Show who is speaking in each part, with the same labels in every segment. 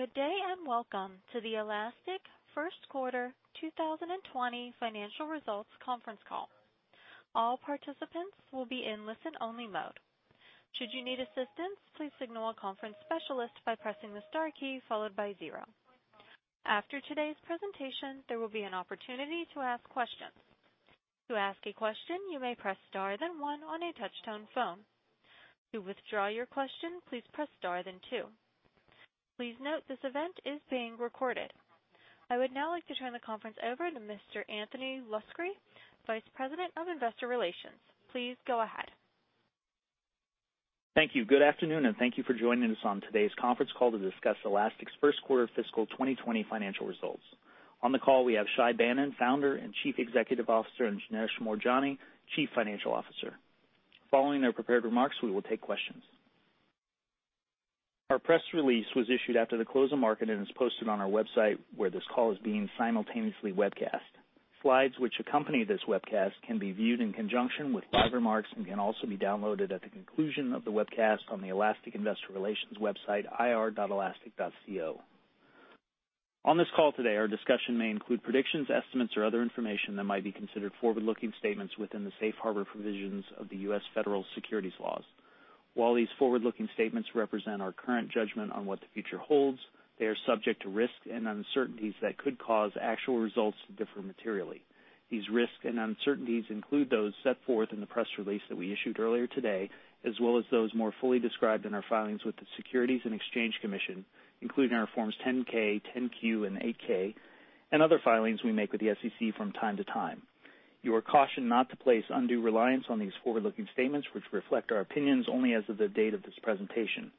Speaker 1: Good day, and welcome to the Elastic first quarter 2020 financial results conference call. All participants will be in listen-only mode. Should you need assistance, please signal a conference specialist by pressing the star key followed by zero. After today's presentation, there will be an opportunity to ask questions. To ask a question, you may press star then one on a touch-tone phone. To withdraw your question, please press star then two. Please note this event is being recorded. I would now like to turn the conference over to Mr. Anthony Luscri, Vice President of Investor Relations. Please go ahead.
Speaker 2: Thank you. Good afternoon, and thank you for joining us on today's conference call to discuss Elastic's first quarter fiscal 2020 financial results. On the call, we have Shay Banon, Founder and Chief Executive Officer, and Janesh Moorjani, Chief Financial Officer. Following their prepared remarks, we will take questions. Our press release was issued after the close of market and is posted on our website, where this call is being simultaneously webcast. Slides which accompany this webcast can be viewed in conjunction with live remarks and can also be downloaded at the conclusion of the webcast on the Elastic investor relations website, ir.elastic.co. On this call today, our discussion may include predictions, estimates, or other information that might be considered forward-looking statements within the safe harbor provisions of the U.S. Federal Securities laws. While these forward-looking statements represent our current judgment on what the future holds, they are subject to risks and uncertainties that could cause actual results to differ materially. These risks and uncertainties include those set forth in the press release that we issued earlier today, as well as those more fully described in our filings with the Securities and Exchange Commission, including our Forms 10-K, 10-Q, and 8-K, and other filings we make with the SEC from time to time. You are cautioned not to place undue reliance on these forward-looking statements, which reflect our opinions only as of the date of this presentation.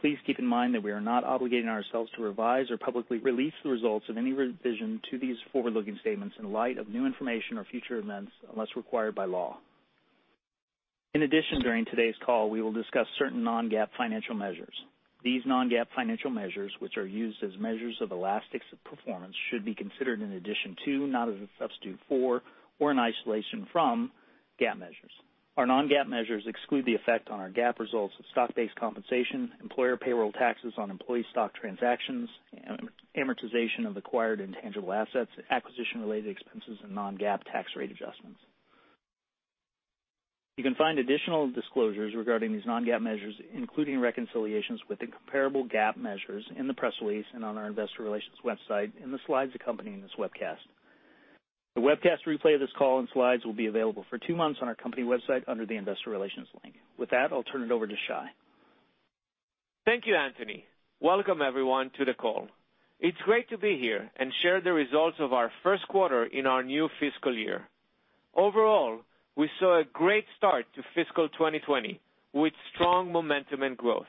Speaker 2: Please keep in mind that we are not obligating ourselves to revise or publicly release the results of any revision to these forward-looking statements in light of new information or future events, unless required by law. In addition, during today's call, we will discuss certain non-GAAP financial measures. These non-GAAP financial measures, which are used as measures of Elastic's performance, should be considered in addition to, not as a substitute for, or in isolation from, GAAP measures. Our non-GAAP measures exclude the effect on our GAAP results of stock-based compensation, employer payroll taxes on employee stock transactions, amortization of acquired intangible assets, acquisition-related expenses, and non-GAAP tax rate adjustments. You can find additional disclosures regarding these non-GAAP measures, including reconciliations with the comparable GAAP measures, in the press release and on our investor relations website and the slides accompanying this webcast. The webcast replay of this call and slides will be available for two months on our company website under the investor relations link. With that, I'll turn it over to Shay.
Speaker 3: Thank you, Anthony. Welcome everyone, to the call. It's great to be here and share the results of our first quarter in our new fiscal year. Overall, we saw a great start to fiscal 2020, with strong momentum and growth.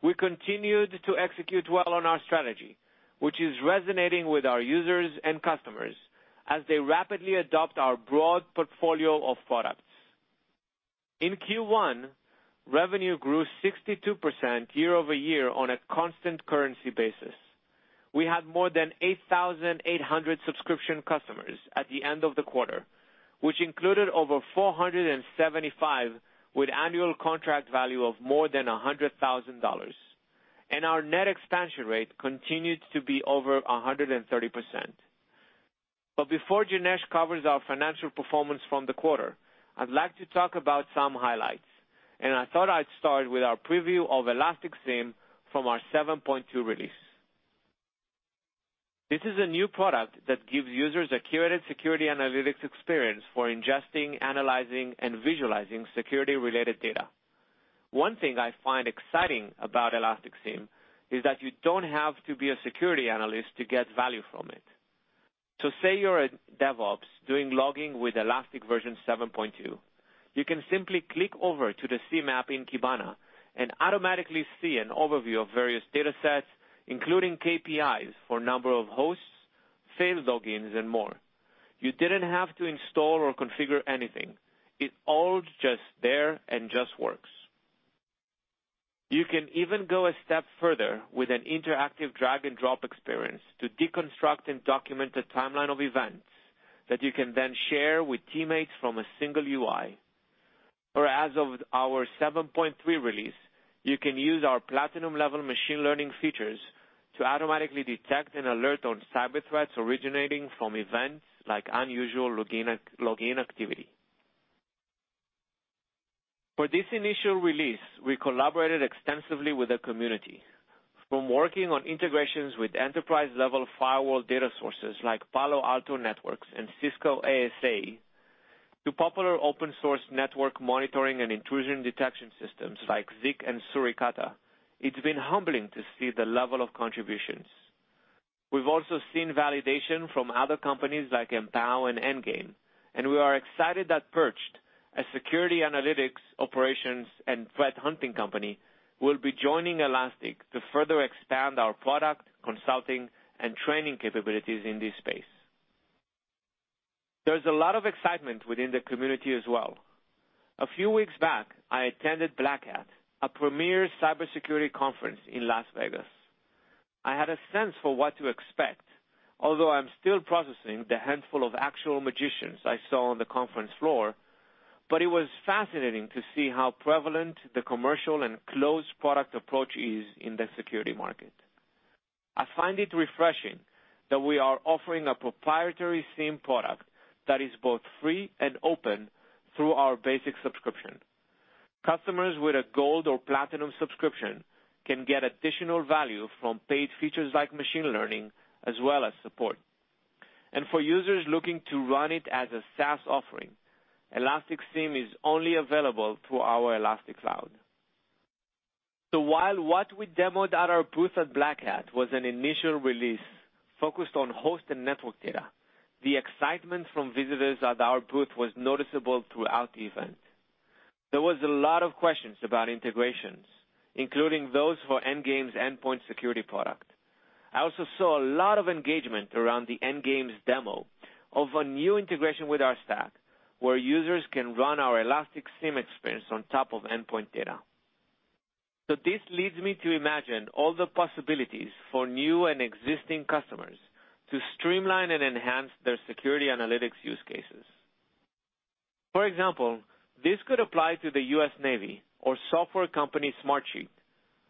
Speaker 3: We continued to execute well on our strategy, which is resonating with our users and customers as they rapidly adopt our broad portfolio of products. In Q1, revenue grew 62% year-over-year on a constant currency basis. We had more than 8,800 subscription customers at the end of the quarter, which included over 475 with annual contract value of more than $100,000. Our net expansion rate continued to be over 130%. Before Janesh covers our financial performance from the quarter, I'd like to talk about some highlights, and I thought I'd start with our preview of Elastic SIEM from our 7.2 release. This is a new product that gives users a curated security analytics experience for ingesting, analyzing, and visualizing security-related data. One thing I find exciting about Elastic SIEM is that you don't have to be a security analyst to get value from it. Say you're a DevOps doing logging with Elastic version 7.2. You can simply click over to the SIEM map in Kibana and automatically see an overview of various datasets, including KPIs for number of hosts, failed logins, and more. You didn't have to install or configure anything. It's all just there and just works. You can even go a step further with an interactive drag-and-drop experience to deconstruct and document a timeline of events that you can then share with teammates from a single UI. As of our 7.3 release, you can use our platinum-level machine learning features to automatically detect and alert on cyber threats originating from events like unusual login activity. For this initial release, we collaborated extensively with the community, from working on integrations with enterprise-level firewall data sources like Palo Alto Networks and Cisco ASA, to popular open-source network monitoring and intrusion detection systems like Zeek and Suricata. It's been humbling to see the level of contributions. We've also seen validation from other companies like Empower and Endgame, and we are excited that Perch, a security analytics operations and threat hunting company, will be joining Elastic to further expand our product, consulting, and training capabilities in this space. There's a lot of excitement within the community as well. A few weeks back, I attended Black Hat, a premier cybersecurity conference in Las Vegas. I had a sense for what to expect, although I'm still processing the handful of actual magicians I saw on the conference floor. It was fascinating to see how prevalent the commercial and closed product approach is in the security market. I find it refreshing that we are offering a proprietary SIEM product that is both free and open through our basic subscription. Customers with a Gold or Platinum subscription can get additional value from paid features like machine learning, as well as support. For users looking to run it as a SaaS offering, Elastic SIEM is only available through our Elastic Cloud. While what we demoed at our booth at Black Hat was an initial release focused on host and network data, the excitement from visitors at our booth was noticeable throughout the event. There was a lot of questions about integrations, including those for Endgame's endpoint security product. I also saw a lot of engagement around Endgame's demo of a new integration with our stack, where users can run our Elastic SIEM experience on top of endpoint data. This leads me to imagine all the possibilities for new and existing customers to streamline and enhance their security analytics use cases. For example, this could apply to the U.S. Navy or software company Smartsheet,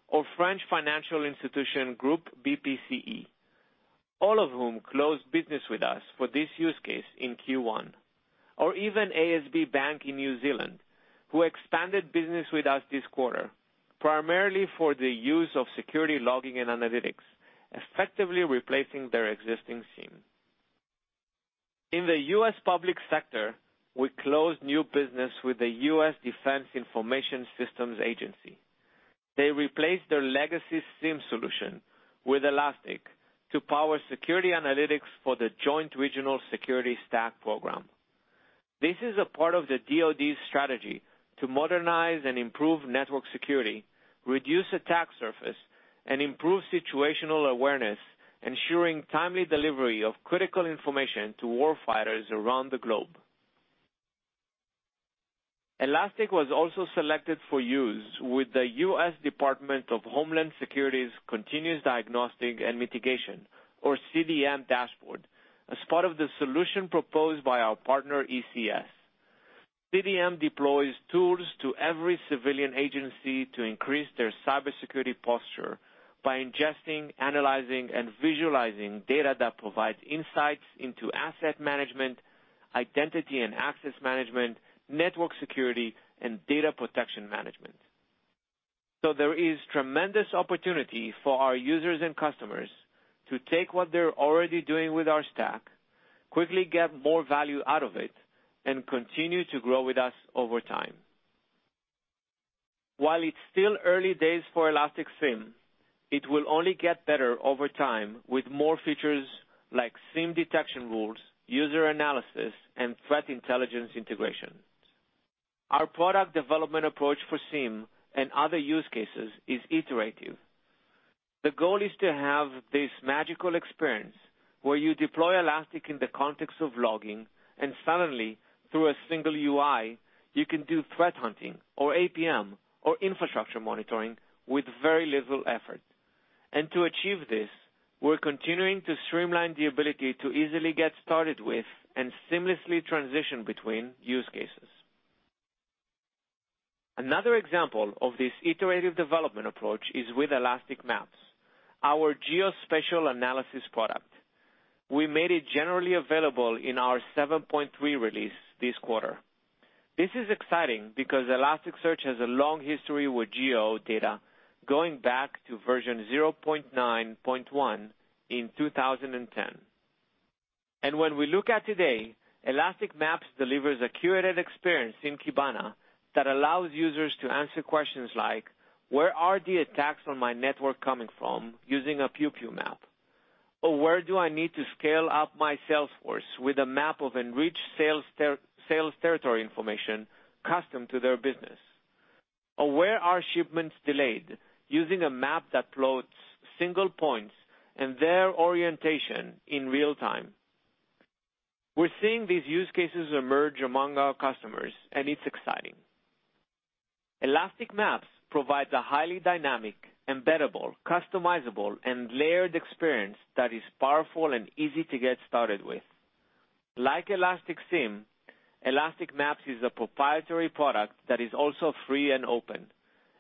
Speaker 3: or French financial institution Groupe BPCE, all of whom closed business with us for this use case in Q1. Even ASB Bank in New Zealand, who expanded business with us this quarter, primarily for the use of security logging and analytics, effectively replacing their existing SIEM. In the U.S. public sector, we closed new business with the U.S. Defense Information Systems Agency. They replaced their legacy SIEM solution with Elastic to power security analytics for the Joint Regional Security Stack program. This is a part of the DoD's strategy to modernize and improve network security, reduce attack surface, and improve situational awareness, ensuring timely delivery of critical information to war fighters around the globe. Elastic was also selected for use with the U.S. Department of Homeland Security's Continuous Diagnostic and Mitigation, or CDM, dashboard, as part of the solution proposed by our partner, ECS. CDM deploys tools to every civilian agency to increase their cybersecurity posture by ingesting, analyzing, and visualizing data that provides insights into asset management, identity and access management, network security, and data protection management. There is tremendous opportunity for our users and customers to take what they're already doing with our stack, quickly get more value out of it, and continue to grow with us over time. While it's still early days for Elastic SIEM, it will only get better over time with more features like SIEM detection rules, user analysis, and threat intelligence integration. Our product development approach for SIEM and other use cases is iterative. The goal is to have this magical experience where you deploy Elastic in the context of logging, and suddenly, through a single UI, you can do threat hunting or APM or infrastructure monitoring with very little effort. To achieve this, we're continuing to streamline the ability to easily get started with and seamlessly transition between use cases. Another example of this iterative development approach is with Elastic Maps, our geospatial analysis product. We made it generally available in our 7.3 release this quarter. This is exciting because Elasticsearch has a long history with geo data, going back to version 0.9.1 in 2010. When we look at today, Elastic Maps delivers a curated experience in Kibana that allows users to answer questions like, "Where are the attacks on my network coming from?" using a pew pew map. "Where do I need to scale up my sales force with a map of enriched sales territory information custom to their business?" "Where are shipments delayed?" using a map that plots single points and their orientation in real time. We're seeing these use cases emerge among our customers, and it's exciting. Elastic Maps provides a highly dynamic, embeddable, customizable, and layered experience that is powerful and easy to get started with. Like Elastic SIEM, Elastic Maps is a proprietary product that is also free and open.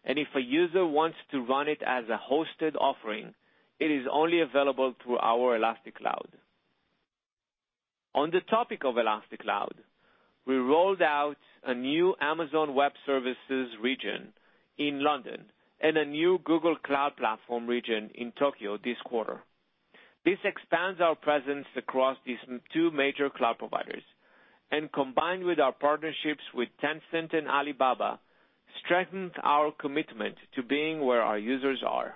Speaker 3: If a user wants to run it as a hosted offering, it is only available through our Elastic Cloud. On the topic of Elastic Cloud, we rolled out a new Amazon Web Services region in London and a new Google Cloud Platform region in Tokyo this quarter. This expands our presence across these two major cloud providers, and combined with our partnerships with Tencent and Alibaba, strengthens our commitment to being where our users are.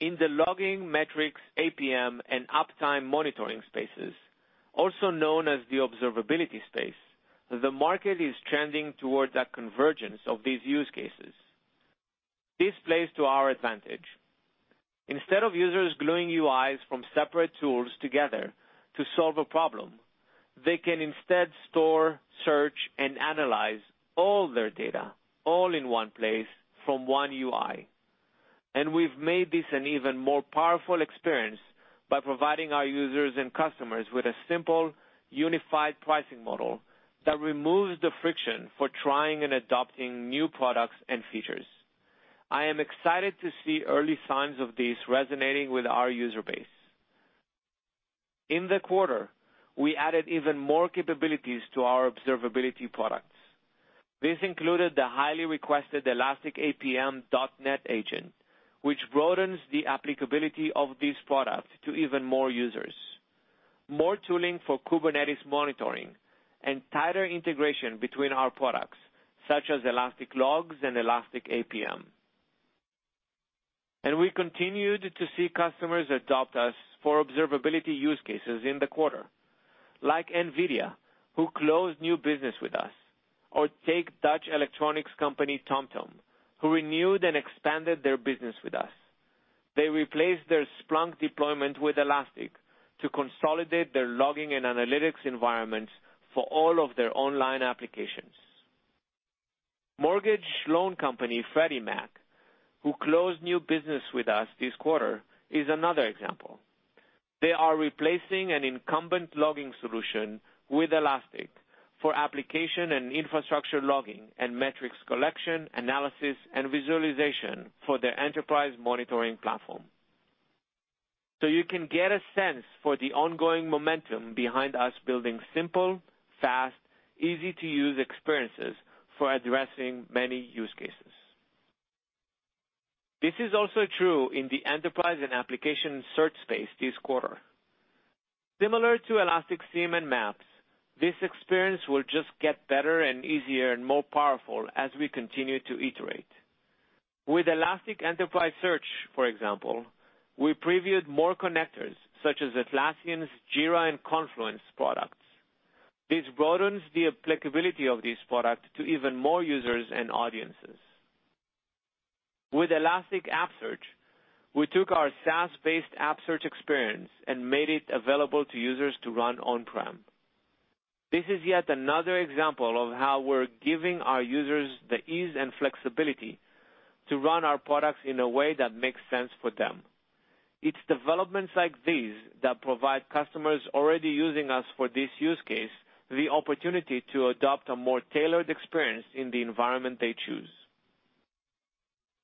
Speaker 3: In the logging metrics, APM, and uptime monitoring spaces, also known as the observability space, the market is trending towards a convergence of these use cases. This plays to our advantage. Instead of users gluing UIs from separate tools together to solve a problem. They can instead store, search, and analyze all their data, all in one place from one UI. We've made this an even more powerful experience by providing our users and customers with a simple, unified pricing model that removes the friction for trying and adopting new products and features. I am excited to see early signs of this resonating with our user base. In the quarter, we added even more capabilities to our observability products. This included the highly requested Elastic APM .NET agent, which broadens the applicability of this product to even more users, more tooling for Kubernetes monitoring, and tighter integration between our products, such as Elastic Logs and Elastic APM. We continued to see customers adopt us for observability use cases in the quarter, like NVIDIA, who closed new business with us. Take Dutch electronics company TomTom, who renewed and expanded their business with us. They replaced their Splunk deployment with Elastic to consolidate their logging and analytics environments for all of their online applications. Mortgage loan company Freddie Mac, who closed new business with us this quarter, is another example. They are replacing an incumbent logging solution with Elastic for application and infrastructure logging and metrics collection, analysis, and visualization for their enterprise monitoring platform. You can get a sense for the ongoing momentum behind us building simple, fast, easy-to-use experiences for addressing many use cases. This is also true in the enterprise and application search space this quarter. Similar to Elastic SIEM and Maps, this experience will just get better and easier and more powerful as we continue to iterate. With Elastic Enterprise Search, for example, we previewed more connectors, such as Atlassian's Jira and Confluence products. This broadens the applicability of this product to even more users and audiences. With Elastic App Search, we took our SaaS-based app search experience and made it available to users to run on-prem. This is yet another example of how we're giving our users the ease and flexibility to run our products in a way that makes sense for them. It's developments like these that provide customers already using us for this use case the opportunity to adopt a more tailored experience in the environment they choose.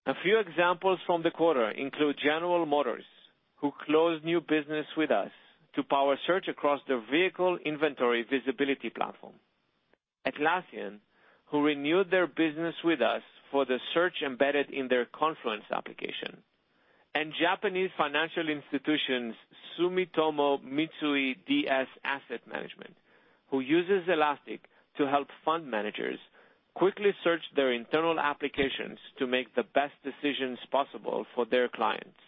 Speaker 3: A few examples from the quarter include General Motors, who closed new business with us to power search across their vehicle inventory visibility platform, Atlassian, who renewed their business with us for the search embedded in their Confluence application, and Japanese financial institutions Sumitomo Mitsui DS Asset Management, who uses Elastic to help fund managers quickly search their internal applications to make the best decisions possible for their clients.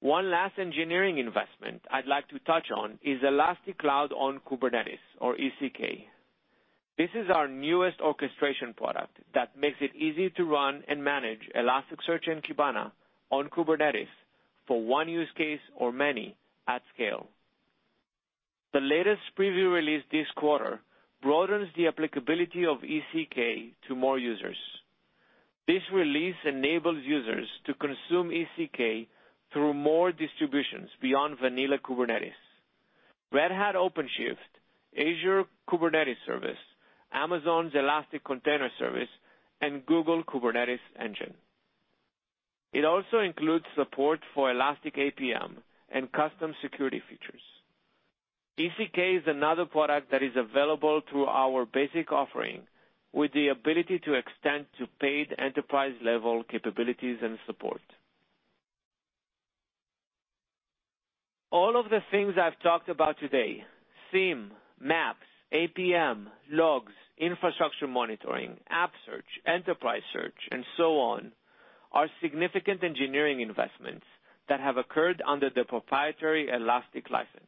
Speaker 3: One last engineering investment I'd like to touch on is Elastic Cloud on Kubernetes, or ECK. This is our newest orchestration product that makes it easy to run and manage Elasticsearch and Kibana on Kubernetes for one use case or many at scale. The latest preview release this quarter broadens the applicability of ECK to more users. This release enables users to consume ECK through more distributions beyond vanilla Kubernetes, Red Hat OpenShift, Azure Kubernetes Service, Amazon Elastic Container Service, and Google Kubernetes Engine. It also includes support for Elastic APM and custom security features. ECK is another product that is available through our basic offering with the ability to extend to paid enterprise-level capabilities and support. All of the things I've talked about today, SIEM, Maps, APM, Logs, infrastructure monitoring, App Search, Enterprise Search, and so on, are significant engineering investments that have occurred under the proprietary Elastic license.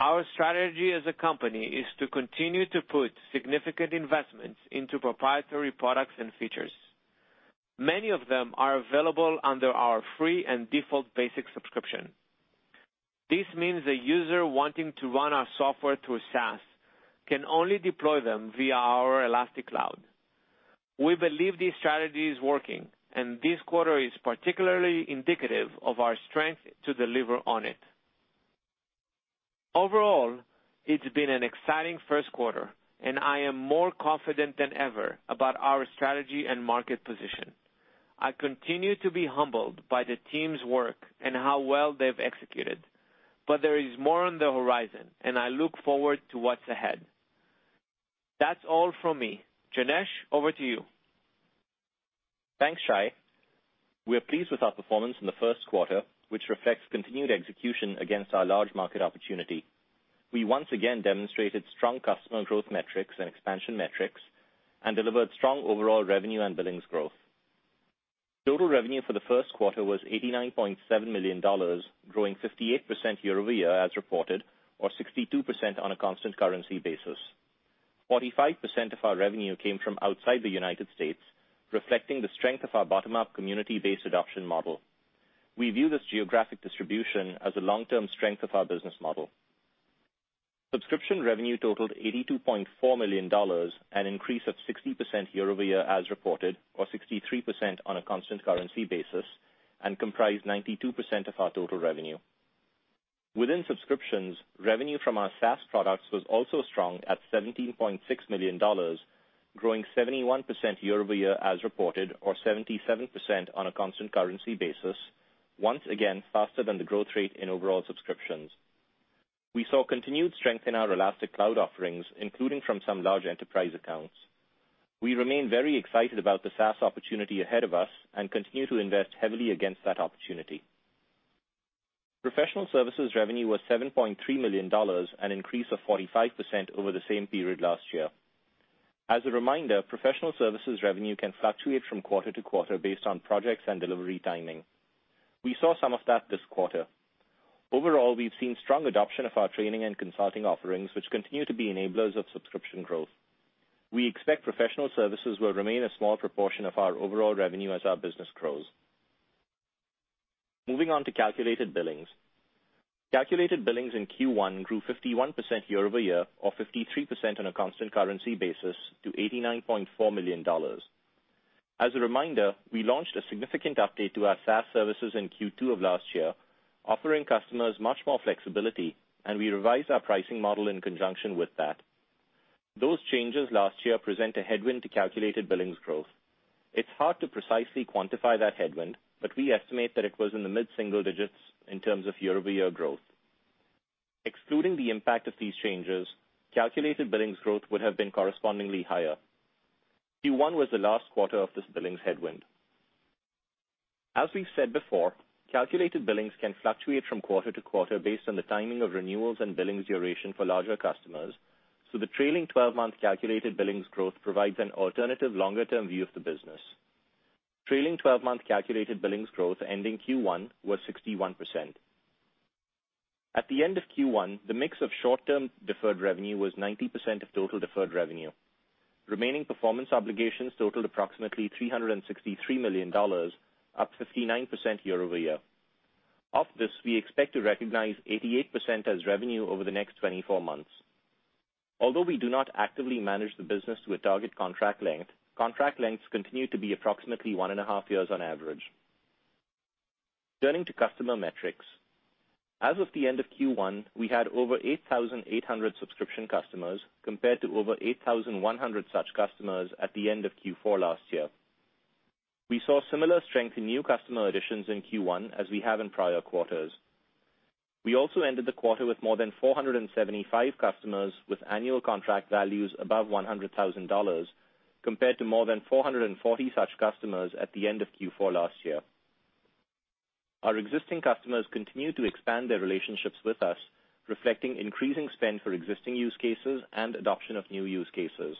Speaker 3: Our strategy as a company is to continue to put significant investments into proprietary products and features. Many of them are available under our free and default basic subscription. This means a user wanting to run our software through a SaaS can only deploy them via our Elastic Cloud. We believe this strategy is working, and this quarter is particularly indicative of our strength to deliver on it. Overall, it's been an exciting first quarter, and I am more confident than ever about our strategy and market position. I continue to be humbled by the team's work and how well they've executed, but there is more on the horizon, and I look forward to what's ahead. That's all from me. Janesh, over to you.
Speaker 4: Thanks, Shay. We are pleased with our performance in the first quarter, which reflects continued execution against our large market opportunity. We once again demonstrated strong customer growth metrics and expansion metrics and delivered strong overall revenue and billings growth. Total revenue for the first quarter was $89.7 million, growing 58% year-over-year as reported, or 62% on a constant currency basis. 45% of our revenue came from outside the U.S., reflecting the strength of our bottom-up community-based adoption model. We view this geographic distribution as a long-term strength of our business model. Subscription revenue totaled $82.4 million, an increase of 60% year-over-year as reported, or 63% on a constant currency basis, and comprised 92% of our total revenue. Within subscriptions, revenue from our SaaS products was also strong at $17.6 million, growing 71% year-over-year as reported, or 77% on a constant currency basis, once again, faster than the growth rate in overall subscriptions. We saw continued strength in our Elastic Cloud offerings, including from some large enterprise accounts. We remain very excited about the SaaS opportunity ahead of us and continue to invest heavily against that opportunity. Professional services revenue was $7.3 million, an increase of 45% over the same period last year. As a reminder, professional services revenue can fluctuate from quarter to quarter based on projects and delivery timing. We saw some of that this quarter. Overall, we've seen strong adoption of our training and consulting offerings, which continue to be enablers of subscription growth. We expect professional services will remain a small proportion of our overall revenue as our business grows. Moving on to calculated billings. Calculated billings in Q1 grew 51% year-over-year, or 53% on a constant currency basis, to $89.4 million. As a reminder, we launched a significant update to our SaaS services in Q2 of last year, offering customers much more flexibility, and we revised our pricing model in conjunction with that. Those changes last year present a headwind to calculated billings growth. It's hard to precisely quantify that headwind, but we estimate that it was in the mid-single digits in terms of year-over-year growth. Excluding the impact of these changes, calculated billings growth would have been correspondingly higher. Q1 was the last quarter of this billings headwind. As we've said before, calculated billings can fluctuate from quarter to quarter based on the timing of renewals and billings duration for larger customers, so the trailing 12-month calculated billings growth provides an alternative longer-term view of the business. Trailing 12-month calculated billings growth ending Q1 was 61%. At the end of Q1, the mix of short-term deferred revenue was 90% of total deferred revenue. Remaining performance obligations totaled approximately $363 million, up 59% year-over-year. Of this, we expect to recognize 88% as revenue over the next 24 months. Although we do not actively manage the business to a target contract length, contract lengths continue to be approximately one and a half years on average. Turning to customer metrics. As of the end of Q1, we had over 8,800 subscription customers, compared to over 8,100 such customers at the end of Q4 last year. We saw similar strength in new customer additions in Q1 as we have in prior quarters. We also ended the quarter with more than 475 customers with annual contract values above $100,000, compared to more than 440 such customers at the end of Q4 last year. Our existing customers continue to expand their relationships with us, reflecting increasing spend for existing use cases and adoption of new use cases.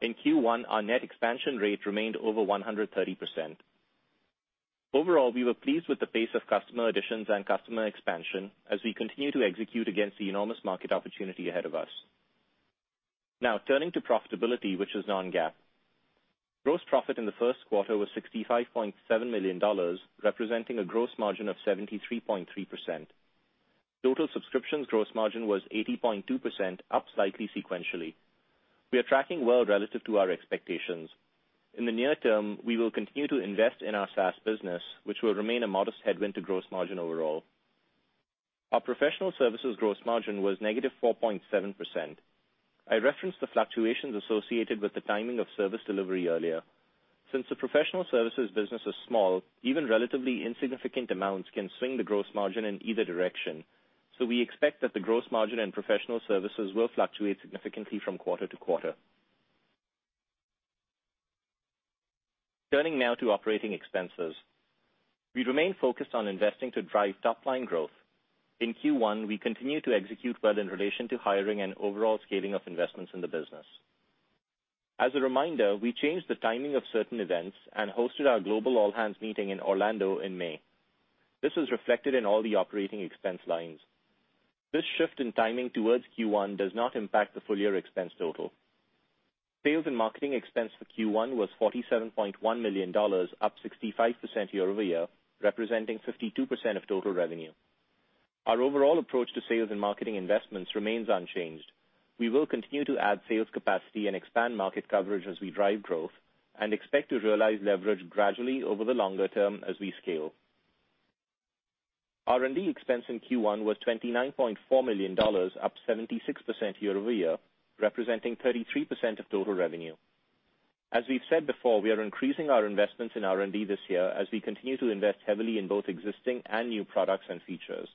Speaker 4: In Q1, our net expansion rate remained over 130%. Overall, we were pleased with the pace of customer additions and customer expansion as we continue to execute against the enormous market opportunity ahead of us. Now, turning to profitability, which is non-GAAP. Gross profit in the first quarter was $65.7 million, representing a gross margin of 73.3%. Total subscriptions gross margin was 80.2%, up slightly sequentially. We are tracking well relative to our expectations. In the near term, we will continue to invest in our SaaS business, which will remain a modest headwind to gross margin overall. Our professional services gross margin was negative 4.7%. I referenced the fluctuations associated with the timing of service delivery earlier. Since the professional services business is small, even relatively insignificant amounts can swing the gross margin in either direction. We expect that the gross margin in professional services will fluctuate significantly from quarter to quarter. Turning now to operating expenses. We remain focused on investing to drive top-line growth. In Q1, we continued to execute well in relation to hiring and overall scaling of investments in the business. As a reminder, we changed the timing of certain events and hosted our global all-hands meeting in Orlando in May. This was reflected in all the operating expense lines. This shift in timing towards Q1 does not impact the full-year expense total. Sales and marketing expense for Q1 was $47.1 million, up 65% year-over-year, representing 52% of total revenue. Our overall approach to sales and marketing investments remains unchanged. We will continue to add sales capacity and expand market coverage as we drive growth and expect to realize leverage gradually over the longer term as we scale. R&D expense in Q1 was $29.4 million, up 76% year-over-year, representing 33% of total revenue. As we've said before, we are increasing our investments in R&D this year as we continue to invest heavily in both existing and new products and features.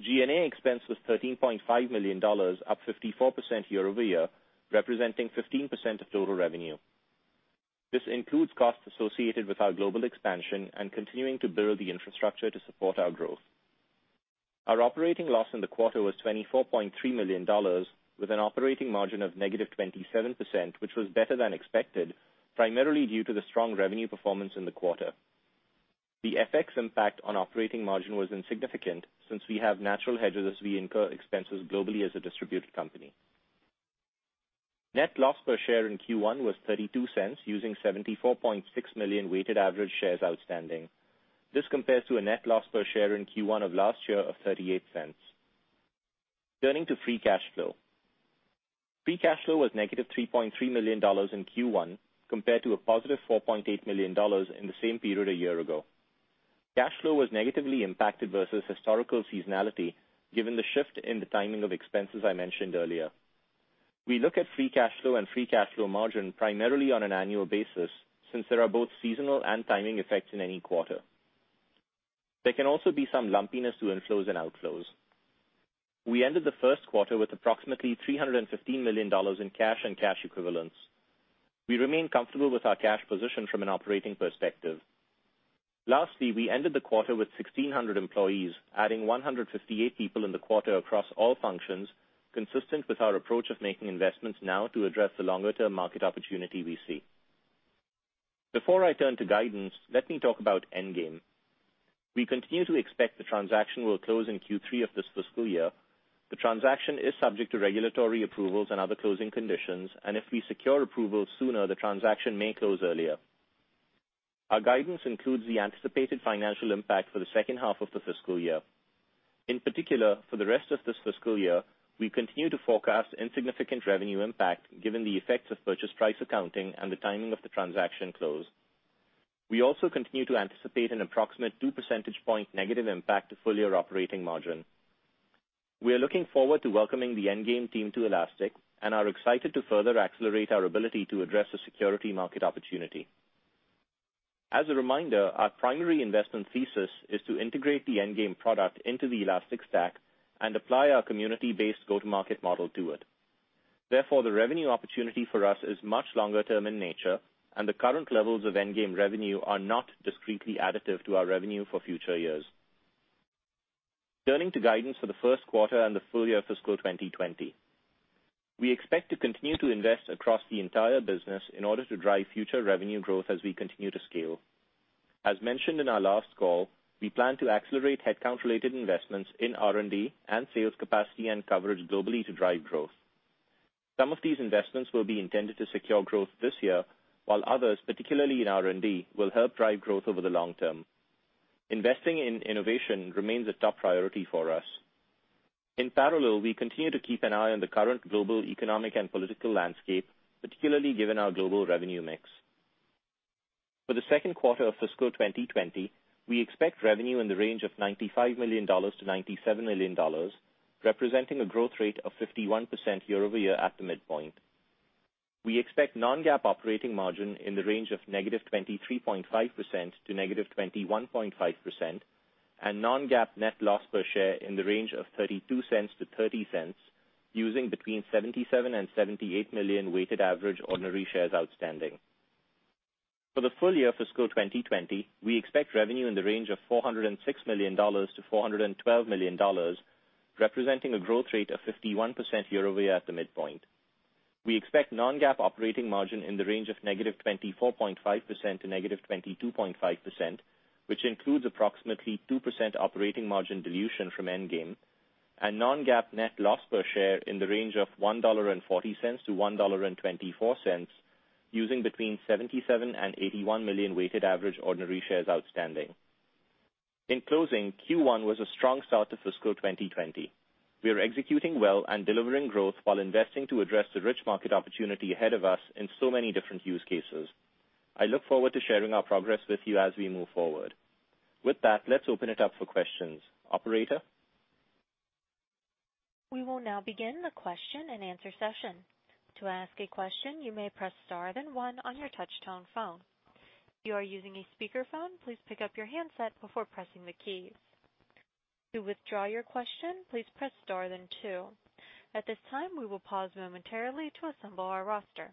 Speaker 4: G&A expense was $13.5 million, up 54% year-over-year, representing 15% of total revenue. This includes costs associated with our global expansion and continuing to build the infrastructure to support our growth. Our operating loss in the quarter was $24.3 million, with an operating margin of negative 27%, which was better than expected, primarily due to the strong revenue performance in the quarter. The FX impact on operating margin was insignificant since we have natural hedges as we incur expenses globally as a distributed company. Net loss per share in Q1 was $0.32 using 74.6 million weighted average shares outstanding. This compares to a net loss per share in Q1 of last year of $0.38. Turning to free cash flow. Free cash flow was negative $3.3 million in Q1 compared to a positive $4.8 million in the same period a year ago. Cash flow was negatively impacted versus historical seasonality given the shift in the timing of expenses I mentioned earlier. We look at free cash flow and free cash flow margin primarily on an annual basis since there are both seasonal and timing effects in any quarter. There can also be some lumpiness to inflows and outflows. We ended the first quarter with approximately $315 million in cash and cash equivalents. We remain comfortable with our cash position from an operating perspective. Lastly, we ended the quarter with 1,600 employees, adding 158 people in the quarter across all functions, consistent with our approach of making investments now to address the longer-term market opportunity we see. Before I turn to guidance, let me talk about Endgame. We continue to expect the transaction will close in Q3 of this fiscal year. The transaction is subject to regulatory approvals and other closing conditions, and if we secure approval sooner, the transaction may close earlier. Our guidance includes the anticipated financial impact for the second half of the fiscal year. In particular, for the rest of this fiscal year, we continue to forecast insignificant revenue impact given the effects of purchase price accounting and the timing of the transaction close. We also continue to anticipate an approximate two percentage point negative impact to full-year operating margin. We are looking forward to welcoming the Endgame team to Elastic and are excited to further accelerate our ability to address the security market opportunity. As a reminder, our primary investment thesis is to integrate the Endgame product into the Elastic Stack and apply our community-based go-to-market model to it. Therefore, the revenue opportunity for us is much longer-term in nature, and the current levels of Endgame revenue are not discretely additive to our revenue for future years. Turning to guidance for the first quarter and the full year fiscal 2020. We expect to continue to invest across the entire business in order to drive future revenue growth as we continue to scale. As mentioned in our last call, we plan to accelerate headcount-related investments in R&D and sales capacity and coverage globally to drive growth. Some of these investments will be intended to secure growth this year, while others, particularly in R&D, will help drive growth over the long term. Investing in innovation remains a top priority for us. In parallel, we continue to keep an eye on the current global economic and political landscape, particularly given our global revenue mix. For the second quarter of fiscal 2020, we expect revenue in the range of $95 million-$97 million, representing a growth rate of 51% year-over-year at the midpoint. We expect non-GAAP operating margin in the range of -23.5% to -21.5% and non-GAAP net loss per share in the range of $0.32-$0.30, using between 77 million and 78 million weighted average ordinary shares outstanding. For the full year fiscal 2020, we expect revenue in the range of $406 million-$412 million, representing a growth rate of 51% year-over-year at the midpoint. We expect non-GAAP operating margin in the range of -24.5% to -22.5%, which includes approximately 2% operating margin dilution from Endgame, and non-GAAP net loss per share in the range of $1.40-$1.24, using between 77 million and 81 million weighted average ordinary shares outstanding. In closing, Q1 was a strong start to fiscal 2020. We are executing well and delivering growth while investing to address the rich market opportunity ahead of us in so many different use cases. I look forward to sharing our progress with you as we move forward. With that, let's open it up for questions. Operator?
Speaker 1: We will now begin the question and answer session. To ask a question, you may press star then one on your touchtone phone. If you are using a speakerphone, please pick up your handset before pressing the keys. To withdraw your question, please press star then two. At this time, we will pause momentarily to assemble our roster.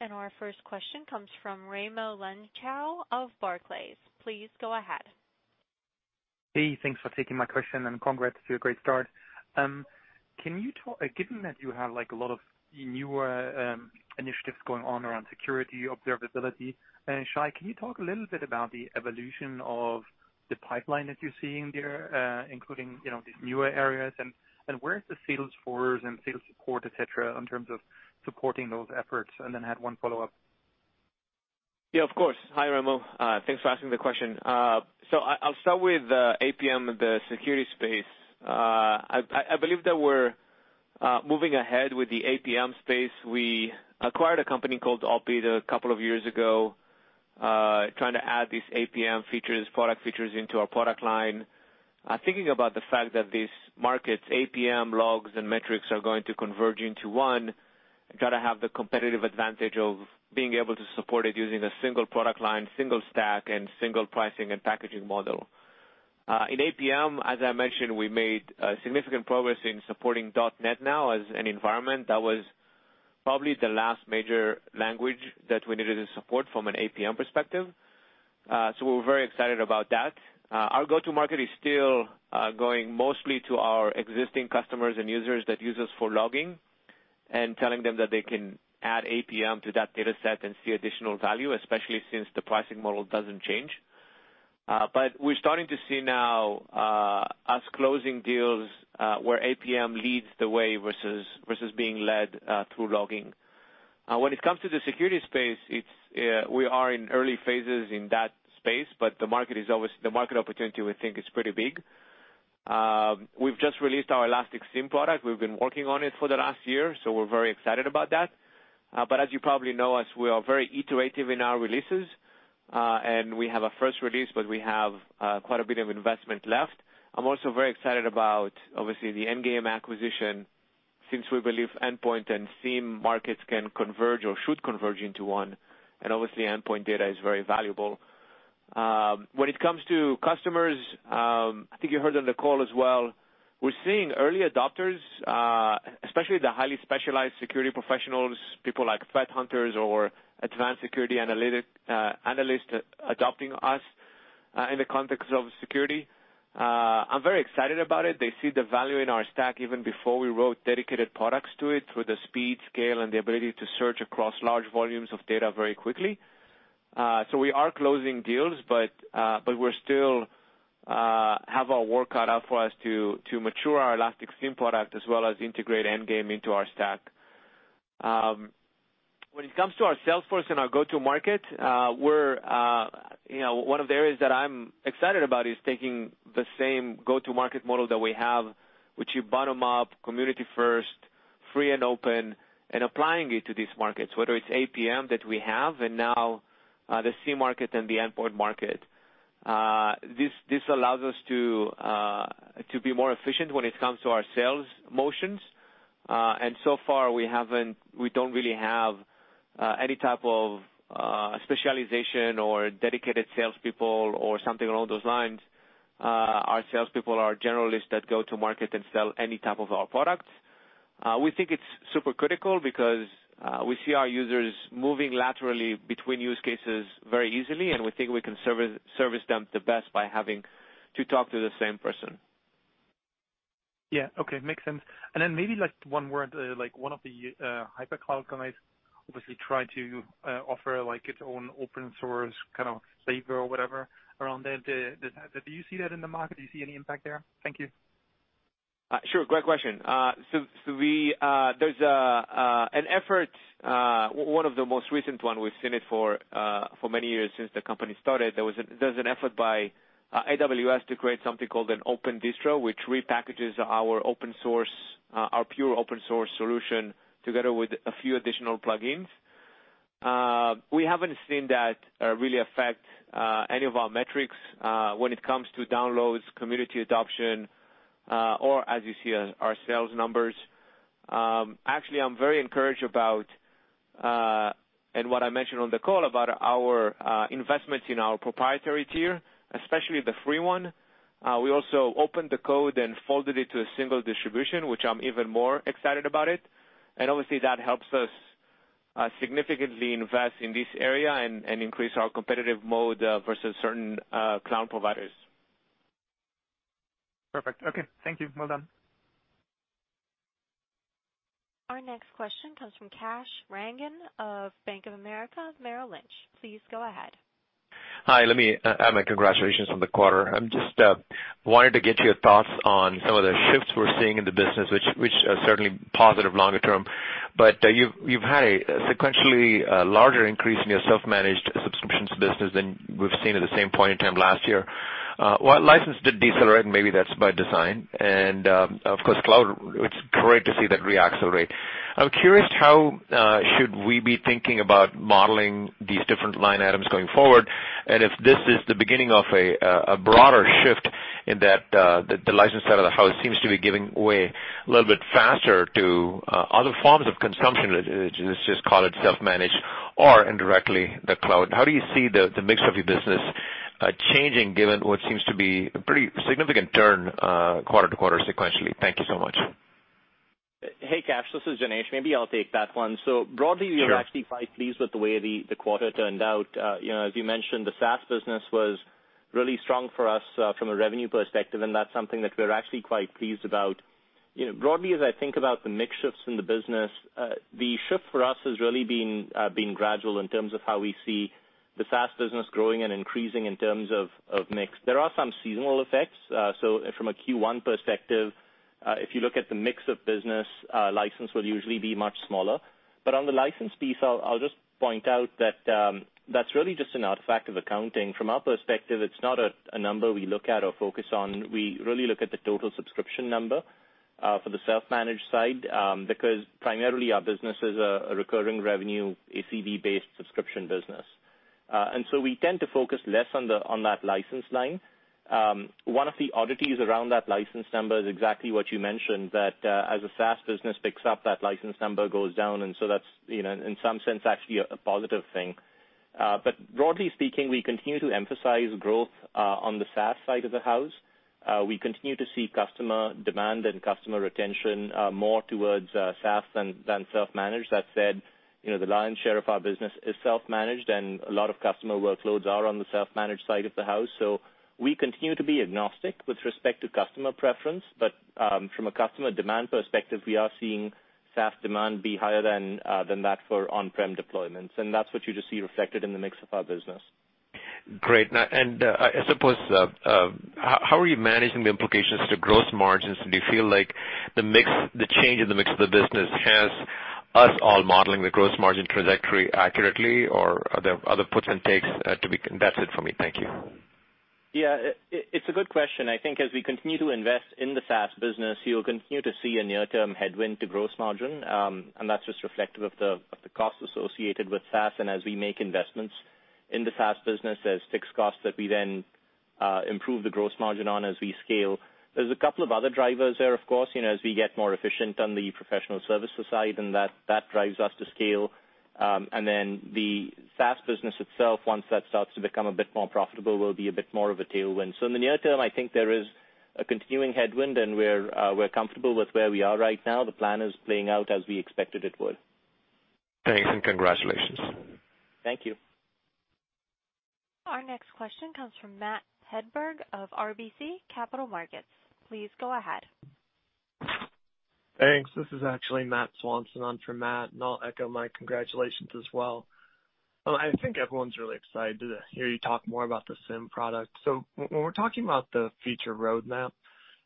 Speaker 1: Our first question comes from Raimo Lenschow of Barclays. Please go ahead.
Speaker 5: Hey, thanks for taking my question, and congrats to a great start. Given that you have a lot of newer initiatives going on around security, observability, Shay, can you talk a little bit about the evolution of the pipeline that you're seeing there, including these newer areas, and where is the sales force and sales support, et cetera, in terms of supporting those efforts? I had one follow-up.
Speaker 4: Yeah, of course. Hi, Raimo. Thanks for asking the question. I'll start with APM, the security space. I believe that we're moving ahead with the APM space. We acquired a company called Opbeat a couple of years ago, trying to add these APM product features into our product line. Thinking about the fact that these markets, APM logs and metrics, are going to converge into one, got to have the competitive advantage of being able to support it using a single product line, single stack, and single pricing and packaging model. In APM, as I mentioned, we made significant progress in supporting .NET now as an environment. That was probably the last major language that we needed to support from an APM perspective.
Speaker 3: We're very excited about that. Our go-to market is still going mostly to our existing customers and users that use us for logging and telling them that they can add APM to that data set and see additional value, especially since the pricing model doesn't change. We're starting to see now us closing deals, where APM leads the way versus being led through logging. When it comes to the security space, we are in early phases in that space, but the market opportunity, we think, is pretty big. We've just released our Elastic SIEM product. We've been working on it for the last year. We're very excited about that. As you probably know us, we are very iterative in our releases. We have a first release. We have quite a bit of investment left. I'm also very excited about, obviously, the Endgame acquisition, since we believe endpoint and SIEM markets can converge or should converge into one. Obviously endpoint data is very valuable. When it comes to customers, I think you heard on the call as well, we're seeing early adopters, especially the highly specialized security professionals, people like threat hunters or advanced security analysts adopting us, in the context of security. I'm very excited about it. They see the value in our stack even before we wrote dedicated products to it, for the speed, scale, and the ability to search across large volumes of data very quickly. We are closing deals, but we still have our work cut out for us to mature our Elastic SIEM product as well as integrate Endgame into our stack. When it comes to our sales force and our go-to market, one of the areas that I'm excited about is taking the same go-to market model that we have, which is bottom-up, community first, free and open, and applying it to these markets, whether it's APM that we have, and now, the SIEM market and the endpoint market. So far, we don't really have any type of specialization or dedicated salespeople or something along those lines. Our salespeople are generalists that go to market and sell any type of our products. We think it's super critical because we see our users moving laterally between use cases very easily, and we think we can service them the best by having to talk to the same person.
Speaker 5: Yeah. Okay. Makes sense. Maybe one word, one of the hyper cloud guys obviously try to offer its own open source kind of flavor or whatever around that. Do you see that in the market? Do you see any impact there? Thank you.
Speaker 3: Sure. Great question. There's an effort, one of the most recent one, we've seen it for many years since the company started. There's an effort by AWS to create something called an Open Distro, which repackages our pure open source solution together with a few additional plugins. We haven't seen that really affect any of our metrics, when it comes to downloads, community adoption, or as you see our sales numbers. Actually, I'm very encouraged about, and what I mentioned on the call about our investments in our proprietary tier, especially the free one. We also opened the code and folded it to a single distribution, which I'm even more excited about it. Obviously, that helps us significantly invest in this area and increase our competitive moat versus certain cloud providers.
Speaker 5: Perfect. Okay. Thank you. Well done.
Speaker 1: Our next question comes from Kash Rangan of Bank of America Merrill Lynch. Please go ahead.
Speaker 6: Hi, let me add my congratulations on the quarter. I just wanted to get your thoughts on some of the shifts we're seeing in the business, which are certainly positive longer term. You've had a sequentially larger increase in your self-managed subscriptions business than we've seen at the same point in time last year. While license did decelerate, and maybe that's by design, and, of course, cloud, it's great to see that re-accelerate. I'm curious how should we be thinking about modeling these different line items going forward, and if this is the beginning of a broader shift in that the license side of the house seems to be giving way a little bit faster to other forms of consumption, let's just call it self-managed or indirectly the cloud. How do you see the mix of your business changing given what seems to be a pretty significant turn quarter-to-quarter sequentially? Thank you so much.
Speaker 4: Hey, Kash. This is Janesh. Maybe I'll take that one.
Speaker 6: Sure
Speaker 4: We are actually quite pleased with the way the quarter turned out. As you mentioned, the SaaS business was really strong for us from a revenue perspective, and that's something that we're actually quite pleased about. Broadly, as I think about the mix shifts in the business, the shift for us has really been gradual in terms of how we see the SaaS business growing and increasing in terms of mix. There are some seasonal effects. From a Q1 perspective, if you look at the mix of business, license will usually be much smaller. On the license piece, I'll just point out that's really just an artifact of accounting. From our perspective, it's not a number we look at or focus on. We really look at the total subscription number, for the self-managed side, because primarily our business is a recurring revenue, ACV-based subscription business. We tend to focus less on that license line. One of the oddities around that license number is exactly what you mentioned, that as the SaaS business picks up, that license number goes down, and so that's, in some sense, actually a positive thing. Broadly speaking, we continue to emphasize growth on the SaaS side of the house. We continue to see customer demand and customer retention more towards SaaS than self-managed. That said, the lion's share of our business is self-managed, and a lot of customer workloads are on the self-managed side of the house. We continue to be agnostic with respect to customer preference. From a customer demand perspective, we are seeing SaaS demand be higher than that for on-prem deployments. That's what you just see reflected in the mix of our business.
Speaker 6: Great. I suppose, how are you managing the implications to gross margins? Do you feel like the change in the mix of the business has us all modeling the gross margin trajectory accurately? Are there other puts and takes? That's it for me. Thank you.
Speaker 4: Yeah, it's a good question. I think as we continue to invest in the SaaS business, you'll continue to see a near-term headwind to gross margin, and that's just reflective of the cost associated with SaaS. As we make investments in the SaaS business, there's fixed costs that we then improve the gross margin on as we scale. There's a couple of other drivers there, of course, as we get more efficient on the professional services side, and that drives us to scale. Then the SaaS business itself, once that starts to become a bit more profitable, will be a bit more of a tailwind. In the near term, I think there is a continuing headwind, and we're comfortable with where we are right now. The plan is playing out as we expected it would.
Speaker 6: Thanks, congratulations.
Speaker 4: Thank you.
Speaker 1: Our next question comes from Matt Hedberg of RBC Capital Markets. Please go ahead.
Speaker 7: Thanks. This is actually Matt Swanson on for Matt, and I'll echo my congratulations as well. I think everyone's really excited to hear you talk more about the SIEM product. When we're talking about the future roadmap,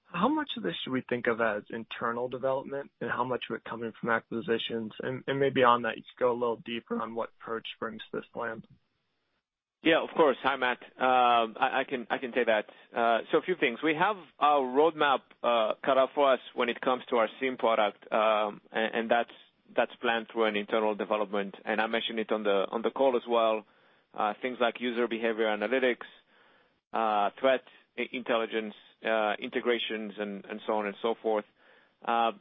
Speaker 7: how much of this should we think of as internal development, and how much of it coming from acquisitions? Maybe on that, you could go a little deeper on what Perched brings to this plan.
Speaker 3: Yeah, of course. Hi, Matt. I can say that. A few things. We have our roadmap cut out for us when it comes to our SIEM product, and that's planned through an internal development. I mentioned it on the call as well, things like user behavior analytics, threat intelligence, integrations and so on and so forth.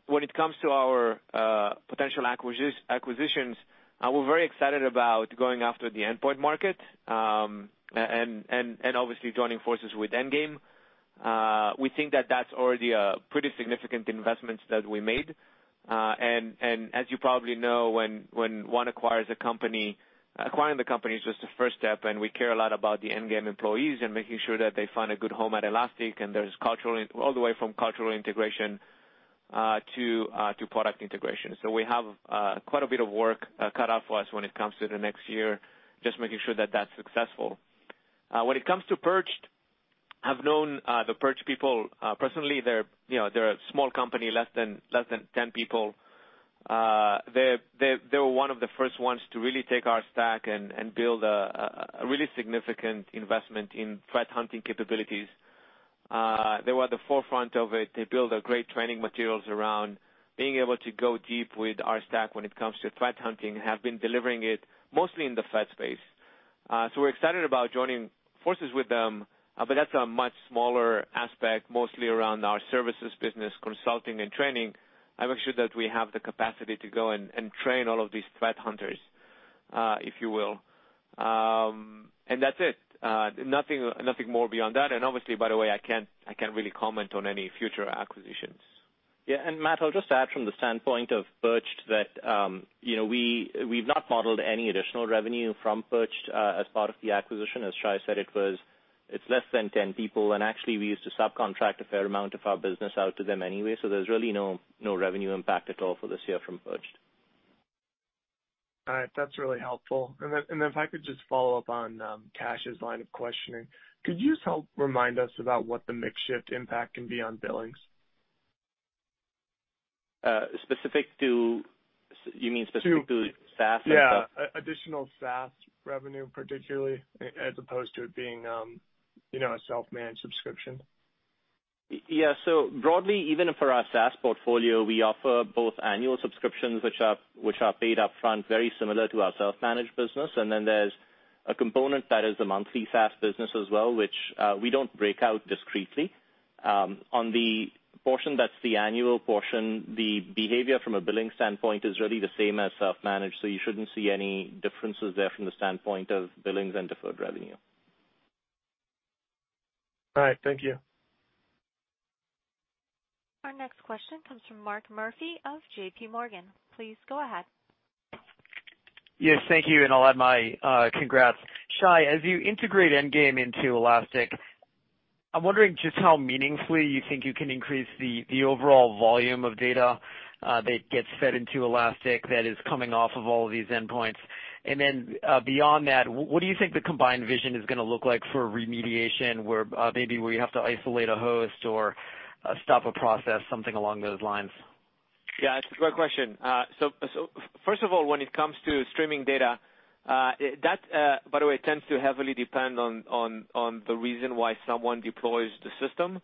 Speaker 3: When it comes to our potential acquisitions, we're very excited about going after the endpoint market, and obviously joining forces with Endgame. We think that that's already a pretty significant investments that we made. As you probably know, when one acquires a company, acquiring the company is just the first step, and we care a lot about the Endgame employees and making sure that they find a good home at Elastic, and there's all the way from cultural integration to product integration. We have quite a bit of work cut out for us when it comes to the next year, just making sure that that's successful. When it comes to Perched, I've known the Perched people personally. They're a small company, less than 10 people. They were one of the first ones to really take our stack and build a really significant investment in threat hunting capabilities. They were at the forefront of it. They built a great training materials around being able to go deep with our stack when it comes to threat hunting, have been delivering it mostly in the threat space. We're excited about joining forces with them, but that's a much smaller aspect, mostly around our services business, consulting and training, and make sure that we have the capacity to go and train all of these threat hunters, if you will. That's it. Nothing more beyond that. Obviously, by the way, I can't really comment on any future acquisitions.
Speaker 4: Yeah. Matt, I'll just add from the standpoint of Perched that we've not modeled any additional revenue from Perched as part of the acquisition. As Shay said, it's less than 10 people, and actually we used to subcontract a fair amount of our business out to them anyway, so there's really no revenue impact at all for this year from Perched.
Speaker 7: All right. That's really helpful. If I could just follow up on Kash's line of questioning. Could you just help remind us about what the mixshift impact can be on billings?
Speaker 4: You mean specific to SaaS or self-
Speaker 7: Yeah. Additional SaaS revenue, particularly, as opposed to it being a self-managed subscription.
Speaker 4: Yeah. Broadly, even for our SaaS portfolio, we offer both annual subscriptions, which are paid upfront, very similar to our self-managed business. There's a component that is the monthly SaaS business as well, which we don't break out discreetly. On the portion that's the annual portion, the behavior from a billing standpoint is really the same as self-managed, so you shouldn't see any differences there from the standpoint of billings and deferred revenue.
Speaker 7: All right. Thank you.
Speaker 1: Our next question comes from Mark Murphy of JP Morgan. Please go ahead.
Speaker 8: Yes, thank you. I'll add my congrats. Shay, as you integrate Endgame into Elastic, I'm wondering just how meaningfully you think you can increase the overall volume of data that gets fed into Elastic that is coming off of all of these endpoints. Beyond that, what do you think the combined vision is going to look like for remediation, where maybe you have to isolate a host or stop a process, something along those lines?
Speaker 3: Yeah, it's a great question. First of all, when it comes to streaming data, that, by the way, tends to heavily depend on the reason why someone deploys the system.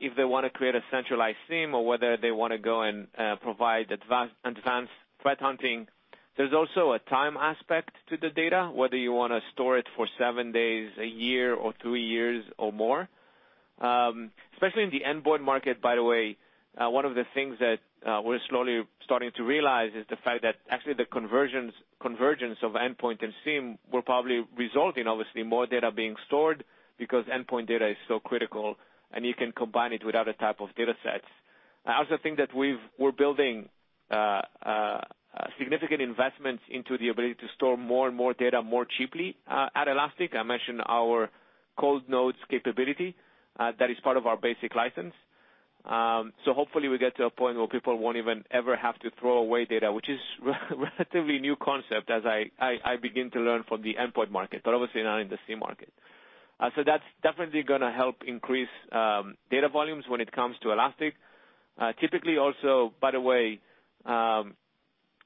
Speaker 3: If they want to create a centralized SIEM or whether they want to go and provide advanced threat hunting. There's also a time aspect to the data, whether you want to store it for seven days, a year, or three years or more. Especially in the endpoint market, by the way, one of the things that we're slowly starting to realize is the fact that actually the convergence of endpoint and SIEM will probably result in, obviously, more data being stored because endpoint data is so critical, and you can combine it with other type of data sets. I also think that we're building significant investments into the ability to store more and more data more cheaply at Elastic. I mentioned our cold nodes capability. That is part of our basic license. Hopefully we get to a point where people won't even ever have to throw away data, which is a relatively new concept as I begin to learn from the endpoint market, but obviously not in the SIEM market. That's definitely going to help increase data volumes when it comes to Elastic. Typically also, by the way,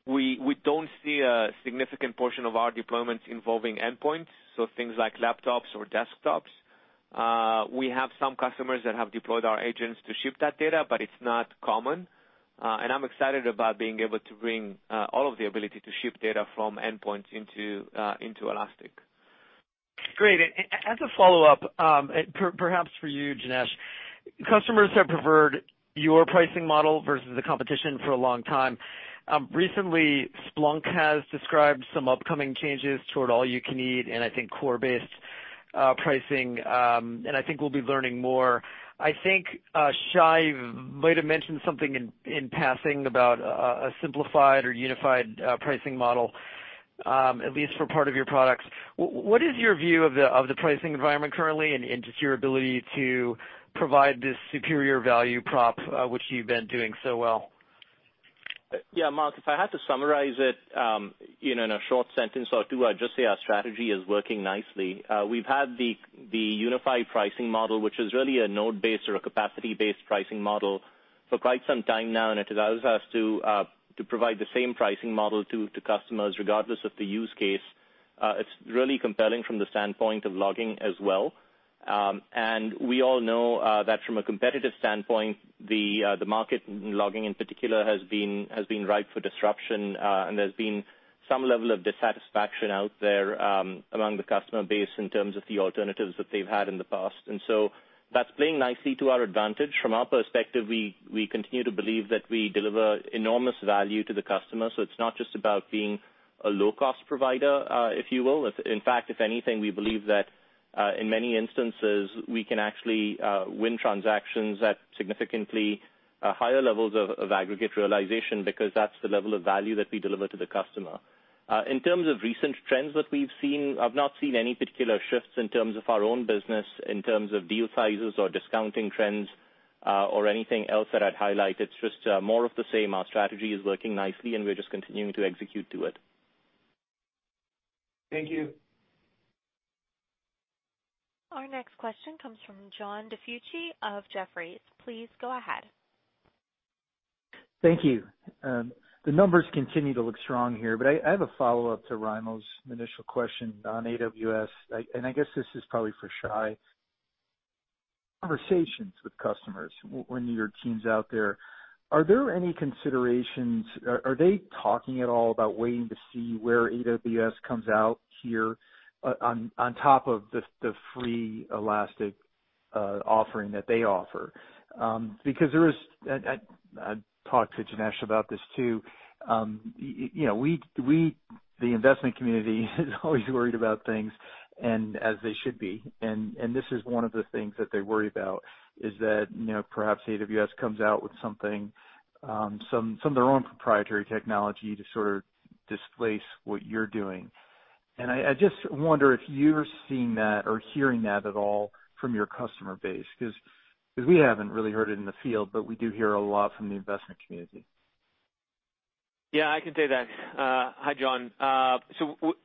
Speaker 3: we don't see a significant portion of our deployments involving endpoints, so things like laptops or desktops. We have some customers that have deployed our agents to ship that data, but it's not common. I'm excited about being able to bring all of the ability to ship data from endpoints into Elastic.
Speaker 8: Great. As a follow-up, perhaps for you, Janesh, customers have preferred your pricing model versus the competition for a long time. Recently, Splunk has described some upcoming changes toward all-you-can-eat and I think core-based pricing, and I think we'll be learning more. I think Shay might have mentioned something in passing about a simplified or unified pricing model, at least for part of your products. What is your view of the pricing environment currently and just your ability to provide this superior value prop, which you've been doing so well?
Speaker 4: Yeah, Mark, if I had to summarize it in a short sentence or two, I'd just say our strategy is working nicely. We've had the unified pricing model, which is really a node-based or a capacity-based pricing model, for quite some time now, and it allows us to provide the same pricing model to customers regardless of the use case. It's really compelling from the standpoint of logging as well. We all know that from a competitive standpoint, the market in logging in particular has been ripe for disruption, and there's been some level of dissatisfaction out there among the customer base in terms of the alternatives that they've had in the past. That's playing nicely to our advantage. From our perspective, we continue to believe that we deliver enormous value to the customer. It's not just about being a low-cost provider, if you will. In fact, if anything, we believe that in many instances, we can actually win transactions at significantly higher levels of aggregate realization because that's the level of value that we deliver to the customer. In terms of recent trends that we've seen, I've not seen any particular shifts in terms of our own business, in terms of deal sizes or discounting trends, or anything else that I'd highlight. It's just more of the same. Our strategy is working nicely, and we're just continuing to execute to it.
Speaker 8: Thank you.
Speaker 1: Our next question comes from John DiFucci of Jefferies. Please go ahead.
Speaker 9: Thank you. The numbers continue to look strong here. I have a follow-up to Raimo's initial question on AWS, and I guess this is probably for Shay. Conversations with customers when your team's out there, are they talking at all about waiting to see where AWS comes out here on top of the free Elastic offering that they offer? There is, I talked to Janesh about this, too. The investment community is always worried about things, and as they should be, and this is one of the things that they worry about, is that perhaps AWS comes out with some of their own proprietary technology to sort of displace what you're doing. I just wonder if you're seeing that or hearing that at all from your customer base, because we haven't really heard it in the field, but we do hear a lot from the investment community.
Speaker 3: Yeah, I can take that. Hi, John.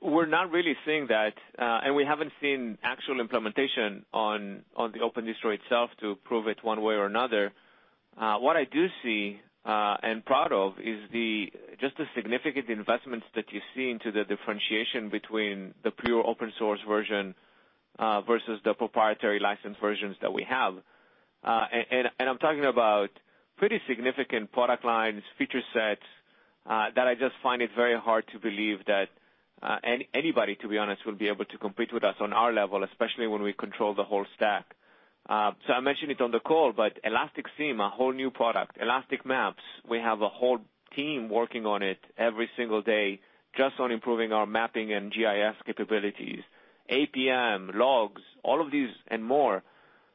Speaker 3: We're not really seeing that, and we haven't seen actual implementation on the Open Distro itself to prove it one way or another. What I do see and proud of is just the significant investments that you see into the differentiation between the pure open-source version versus the proprietary license versions that we have. I'm talking about pretty significant product lines, feature sets, that I just find it very hard to believe that anybody, to be honest, will be able to compete with us on our level, especially when we control the whole stack. I mentioned it on the call, but Elastic SIEM, a whole new product. Elastic Maps, we have a whole team working on it every single day just on improving our mapping and GIS capabilities. APM, logs, all of these and more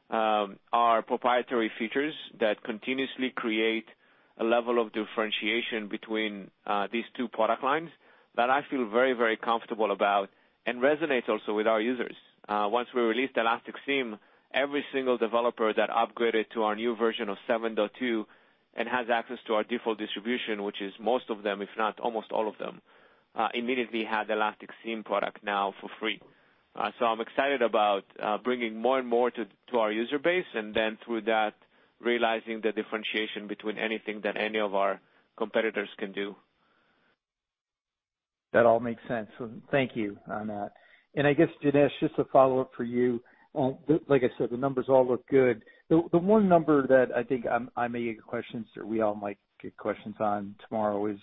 Speaker 3: are proprietary features that continuously create a level of differentiation between these two product lines that I feel very, very comfortable about and resonates also with our users. Once we released Elastic SIEM, every single developer that upgraded to our new version of seven dot two and has access to our default distribution, which is most of them, if not almost all of them, immediately had Elastic SIEM product now for free. I'm excited about bringing more and more to our user base, and then through that, realizing the differentiation between anything that any of our competitors can do.
Speaker 9: That all makes sense. Thank you on that. I guess, Janesh, just a follow-up for you. Like I said, the numbers all look good. The one number that I think I may get questions or we all might get questions on tomorrow is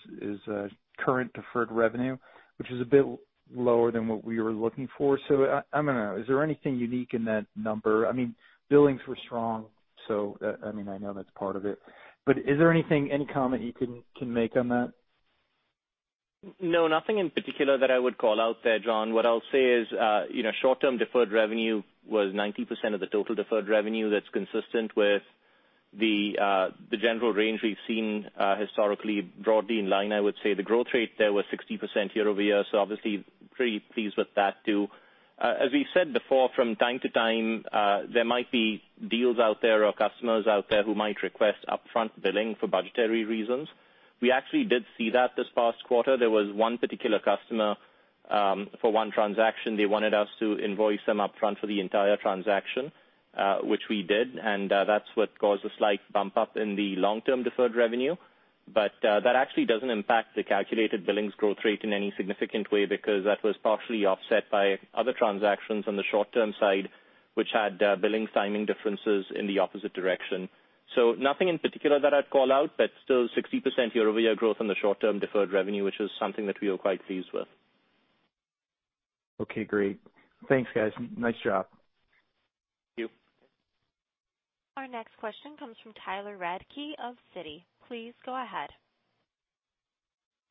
Speaker 9: current deferred revenue, which is a bit lower than what we were looking for. I don't know, is there anything unique in that number? Billings were strong, so I know that's part of it. Is there anything, any comment you can make on that?
Speaker 4: Nothing in particular that I would call out there, John. What I'll say is, short-term deferred revenue was 90% of the total deferred revenue. That's consistent with the general range we've seen historically, broadly in line, I would say. The growth rate there was 60% year-over-year, obviously pretty pleased with that, too. As we said before, from time to time, there might be deals out there or customers out there who might request upfront billing for budgetary reasons. We actually did see that this past quarter. There was one particular customer for one transaction, they wanted us to invoice them upfront for the entire transaction, which we did, that's what caused a slight bump up in the long-term deferred revenue. That actually doesn't impact the calculated billings growth rate in any significant way because that was partially offset by other transactions on the short-term side, which had billing timing differences in the opposite direction. Nothing in particular that I'd call out, but still 60% year-over-year growth on the short-term deferred revenue, which is something that we are quite pleased with.
Speaker 9: Okay, great. Thanks, guys. Nice job.
Speaker 4: Thank you.
Speaker 1: Our next question comes from Tyler Radke of Citi. Please go ahead.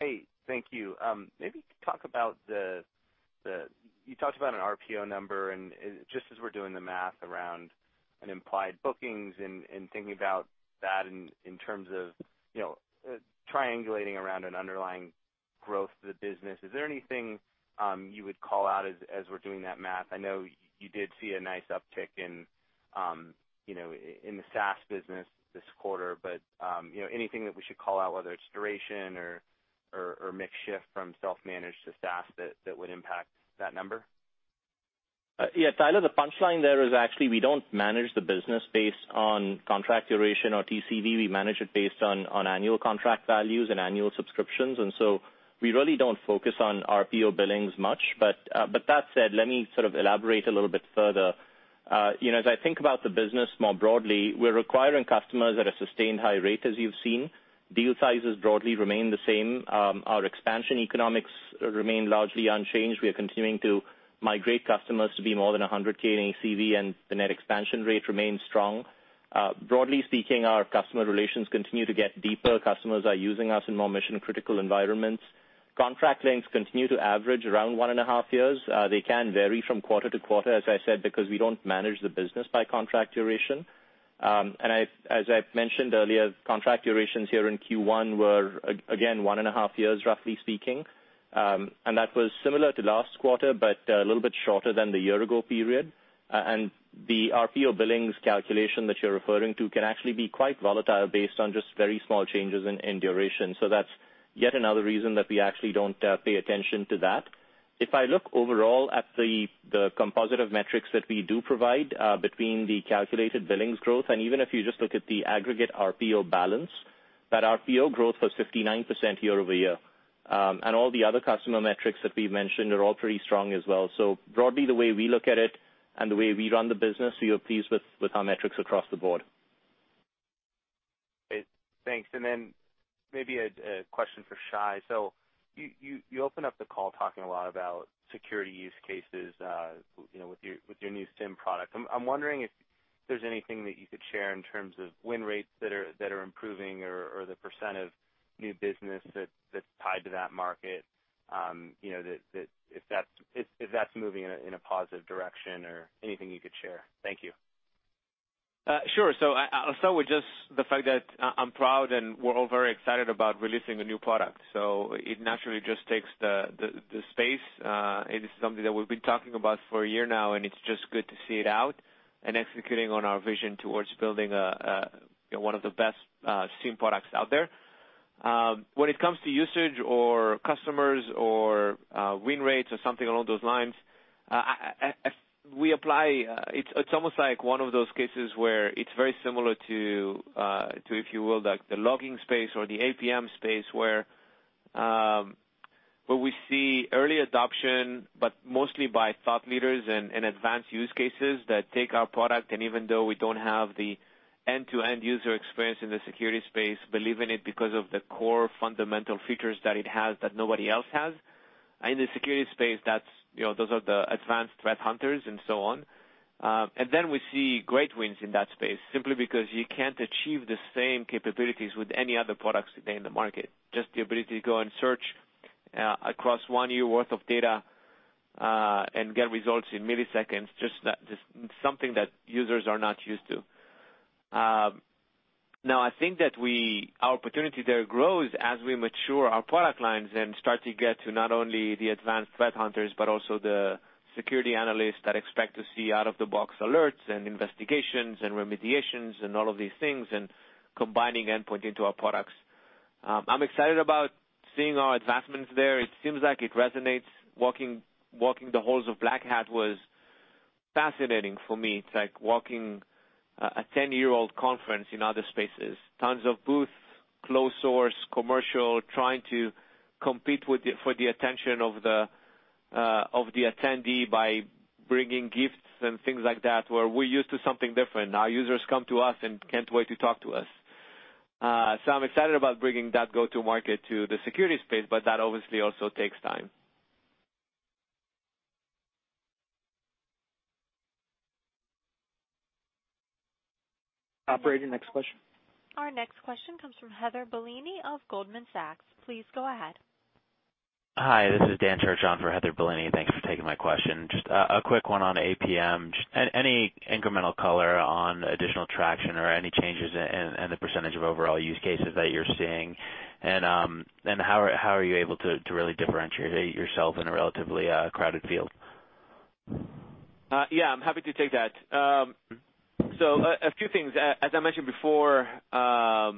Speaker 10: Hey, thank you. Maybe talk about you talked about an RPO number, just as we're doing the math around an implied bookings and thinking about that in terms of triangulating around an underlying growth of the business, is there anything you would call out as we're doing that math? I know you did see a nice uptick in the SaaS business this quarter, anything that we should call out, whether it's duration or mix shift from self-managed to SaaS that would impact that number?
Speaker 4: Yeah, Tyler, the punchline there is actually we don't manage the business based on contract duration or TCV. We manage it based on annual contract values and annual subscriptions, so we really don't focus on RPO billings much. That said, let me sort of elaborate a little bit further. As I think about the business more broadly, we're acquiring customers at a sustained high rate, as you've seen. Deal sizes broadly remain the same. Our expansion economics remain largely unchanged. We are continuing to migrate customers to be more than 100K in ACV, the net expansion rate remains strong. Broadly speaking, our customer relations continue to get deeper. Customers are using us in more mission-critical environments. Contract lengths continue to average around one and a half years. They can vary from quarter to quarter, as I said, because we don't manage the business by contract duration. As I've mentioned earlier, contract durations here in Q1 were again, one and a half years, roughly speaking. That was similar to last quarter, but a little bit shorter than the year-ago period. The RPO billings calculation that you're referring to can actually be quite volatile based on just very small changes in duration. That's yet another reason that we actually don't pay attention to that. If I look overall at the composite of metrics that we do provide between the calculated billings growth, and even if you just look at the aggregate RPO balance, that RPO growth was 59% year-over-year. All the other customer metrics that we've mentioned are all pretty strong as well. Broadly, the way we look at it and the way we run the business, we are pleased with our metrics across the board.
Speaker 10: Great. Thanks. Then maybe a question for Shay. You opened up the call talking a lot about security use cases with your new SIEM product. I'm wondering if there's anything that you could share in terms of win rates that are improving or the % of new business that's tied to that market if that's moving in a positive direction or anything you could share. Thank you.
Speaker 3: Sure. I'll start with just the fact that I'm proud, and we're all very excited about releasing a new product. It naturally just takes the space. It is something that we've been talking about for a year now, and it's just good to see it out and executing on our vision towards building one of the best SIEM products out there. When it comes to usage or customers or win rates or something along those lines, it's almost like one of those cases where it's very similar to, if you will, like the logging space or the APM space, where we see early adoption, but mostly by thought leaders and advanced use cases that take our product, and even though we don't have the end-to-end user experience in the security space, believe in it because of the core fundamental features that it has that nobody else has. In the security space, those are the advanced threat hunters and so on. We see great wins in that space simply because you can't achieve the same capabilities with any other products today in the market. Just the ability to go and search across one year worth of data and get results in milliseconds, just something that users are not used to. I think that our opportunity there grows as we mature our product lines and start to get to not only the advanced threat hunters, but also the security analysts that expect to see out-of-the-box alerts and investigations and remediations and all of these things, and combining endpoint into our products. I'm excited about seeing our advancements there. It seems like it resonates. Walking the halls of Black Hat was fascinating for me. It's like walking a 10-year-old conference in other spaces, tons of booths, closed source, commercial, trying to compete for the attention of the attendee by bringing gifts and things like that, where we're used to something different. Our users come to us and can't wait to talk to us. I'm excited about bringing that go-to-market to the security space, but that obviously also takes time.
Speaker 2: Operator, next question.
Speaker 1: Our next question comes from Heather Bellini of Goldman Sachs. Please go ahead.
Speaker 11: Hi, this is Daniel Church on for Heather Bellini. Thanks for taking my question. Just a quick one on APM. Any incremental color on additional traction or any changes in the percentage of overall use cases that you're seeing? How are you able to really differentiate yourself in a relatively crowded field?
Speaker 3: Yeah, I'm happy to take that. A few things. As I mentioned before, I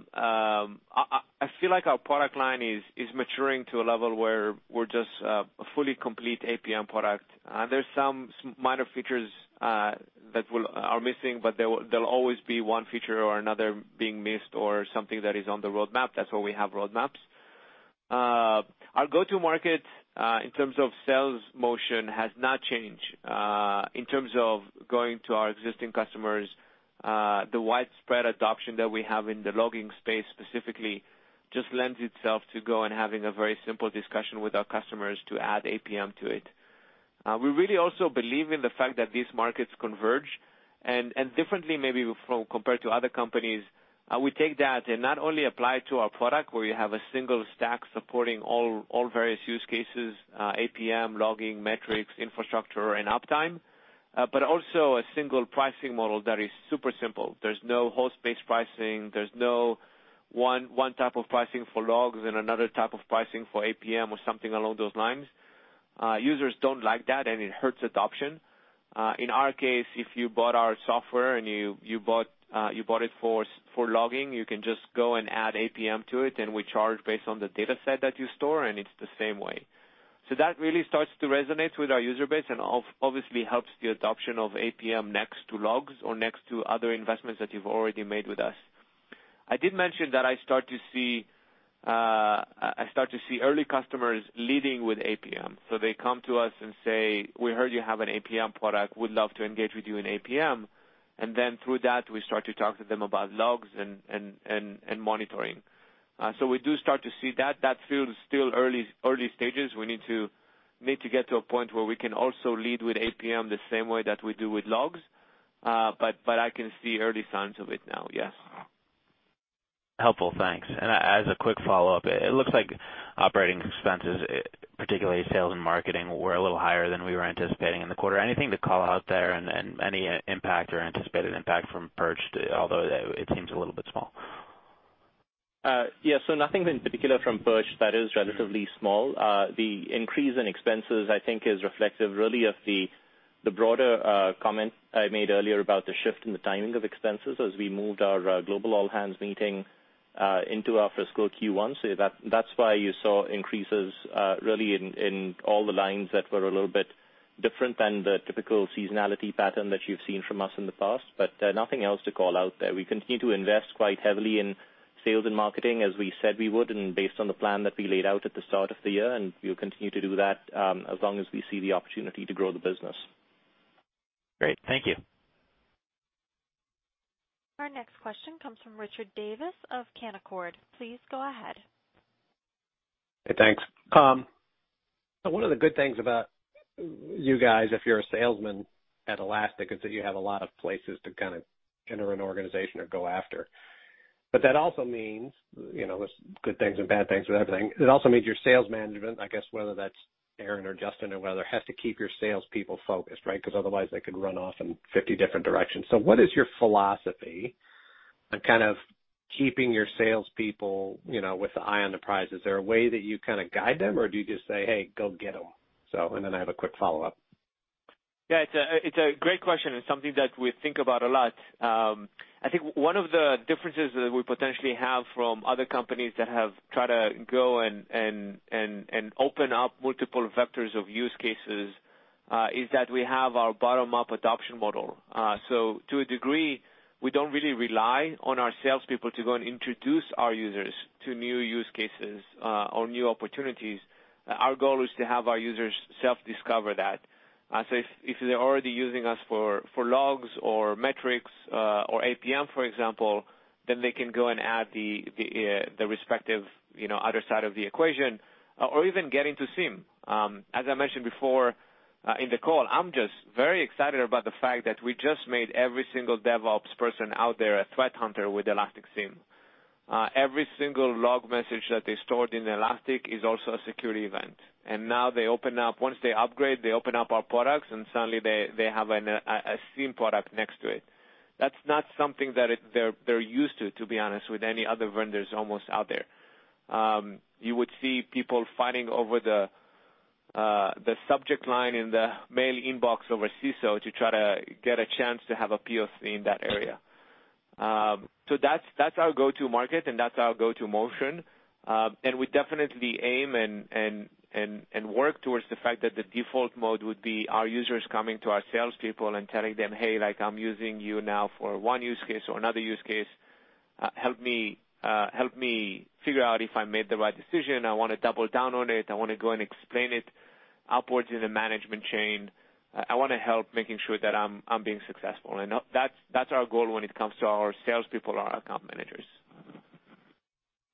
Speaker 3: feel like our product line is maturing to a level where we're just a fully complete APM product. There's some minor features that are missing, but there'll always be one feature or another being missed or something that is on the roadmap. That's why we have roadmaps. Our go-to market, in terms of sales motion, has not changed. In terms of going to our existing customers, the widespread adoption that we have in the logging space specifically just lends itself to go and having a very simple discussion with our customers to add APM to it. We really also believe in the fact that these markets converge, and differently maybe compared to other companies. We take that and not only apply to our product, where you have a single stack supporting all various use cases, APM, logging, metrics, infrastructure, and uptime, but also a single pricing model that is super simple. There's no host-based pricing. There's no one type of pricing for logs and another type of pricing for APM or something along those lines. Users don't like that, and it hurts adoption. In our case, if you bought our software and you bought it for logging, you can just go and add APM to it, and we charge based on the data set that you store, and it's the same way. That really starts to resonate with our user base and obviously helps the adoption of APM next to logs or next to other investments that you've already made with us. I did mention that I start to see early customers leading with APM. They come to us and say, "We heard you have an APM product. We'd love to engage with you in APM." Then through that, we start to talk to them about logs and monitoring. We do start to see that. That field is still early stages. We need to get to a point where we can also lead with APM the same way that we do with logs. I can see early signs of it now, yes.
Speaker 11: Helpful. Thanks. As a quick follow-up, it looks like operating expenses, particularly sales and marketing, were a little higher than we were anticipating in the quarter. Anything to call out there and any impact or anticipated impact from Perched, although it seems a little bit small?
Speaker 4: Yeah, nothing in particular from Perched. That is relatively small. The increase in expenses, I think, is reflective really of the broader comment I made earlier about the shift in the timing of expenses as we moved our global all-hands meeting into our fiscal Q1. That's why you saw increases, really in all the lines that were a little bit different than the typical seasonality pattern that you've seen from us in the past. Nothing else to call out there. We continue to invest quite heavily in sales and marketing, as we said we would, and based on the plan that we laid out at the start of the year, and we'll continue to do that as long as we see the opportunity to grow the business.
Speaker 11: Great. Thank you.
Speaker 1: Our next question comes from Richard Davis of Canaccord. Please go ahead.
Speaker 12: Hey, thanks. One of the good things about you guys, if you're a salesman at Elastic, is that you have a lot of places to kind of enter an organization or go after. That also means there's good things and bad things with everything. It also means your sales management, I guess, whether that's Aaron or Justin or whether, has to keep your salespeople focused, right? Because otherwise they could run off in 50 different directions. What is your philosophy on kind of keeping your salespeople with the eye on the prize? Is there a way that you kind of guide them, or do you just say, "Hey, go get them"? Then I have a quick follow-up.
Speaker 3: Yeah, it's a great question and something that we think about a lot. I think one of the differences that we potentially have from other companies that have tried to go and open up multiple vectors of use cases, is that we have our bottom-up adoption model. To a degree, we don't really rely on our salespeople to go and introduce our users to new use cases or new opportunities. Our goal is to have our users self-discover that. If they're already using us for logs or metrics, or APM, for example, then they can go and add the respective other side of the equation or even get into SIEM. As I mentioned before in the call, I'm just very excited about the fact that we just made every single DevOps person out there a threat hunter with Elastic SIEM. Every single log message that they stored in Elastic is also a security event. Now, once they upgrade, they open up our products, and suddenly they have a SIEM product next to it. That's not something that they're used to be honest, with any other vendors almost out there. You would see people fighting over the subject line in the mail inbox over CISO to try to get a chance to have a POC in that area. That's our go-to market, and that's our go-to motion. We definitely aim and work towards the fact that the default mode would be our users coming to our salespeople and telling them, "Hey, I'm using you now for one use case or another use case. Help me figure out if I made the right decision. I want to double down on it. I want to go and explain it upwards in the management chain. I want to help making sure that I'm being successful. That's our goal when it comes to our salespeople and our account managers.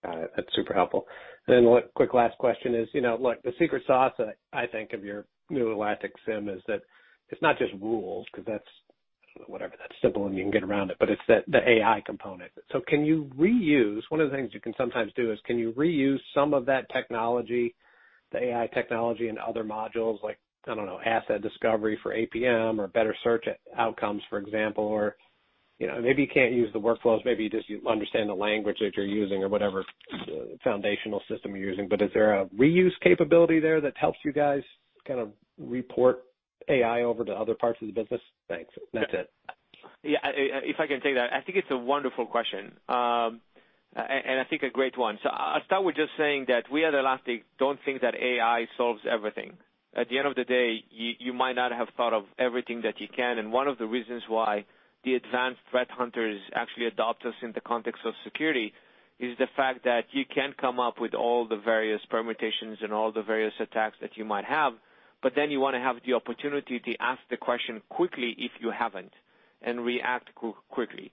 Speaker 12: Got it. That's super helpful. One quick last question is, look, the secret sauce, I think, of your new Elastic SIEM is that it's not just rules, because that's, whatever, that's simple and you can get around it, but it's the AI component. One of the things you can sometimes do is can you reuse some of that technology, the AI technology, in other modules, like, I don't know, asset discovery for APM or better search outcomes, for example? Maybe you can't use the workflows, maybe you just understand the language that you're using or whatever foundational system you're using. Is there a reuse capability there that helps you guys kind of port AI over to other parts of the business? Thanks. That's it.
Speaker 3: Yeah. If I can take that, I think it's a wonderful question, and I think a great one. I'll start with just saying that we at Elastic don't think that AI solves everything. At the end of the day, you might not have thought of everything that you can, and one of the reasons why the advanced threat hunters actually adopt us in the context of security is the fact that you can come up with all the various permutations and all the various attacks that you might have, but then you want to have the opportunity to ask the question quickly if you haven't, and react quickly.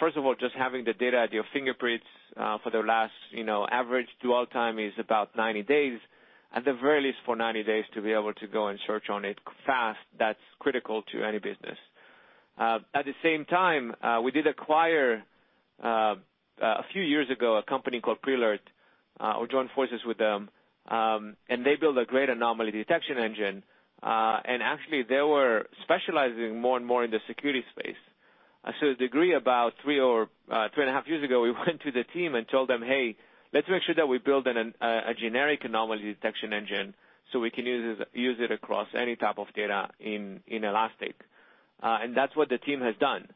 Speaker 3: First of all, just having the data at your fingerprints for the last, average dwell time is about 90 days. At the very least for 90 days to be able to go and search on it fast, that's critical to any business. At the same time, we did acquire, a few years ago, a company called Prelert, or joined forces with them, and they build a great anomaly detection engine. Actually, they were specializing more and more in the security space. To a degree, about three or three and a half years ago, we went to the team and told them, "Hey, let's make sure that we build a generic anomaly detection engine so we can use it across any type of data in Elastic." That's what the team has done.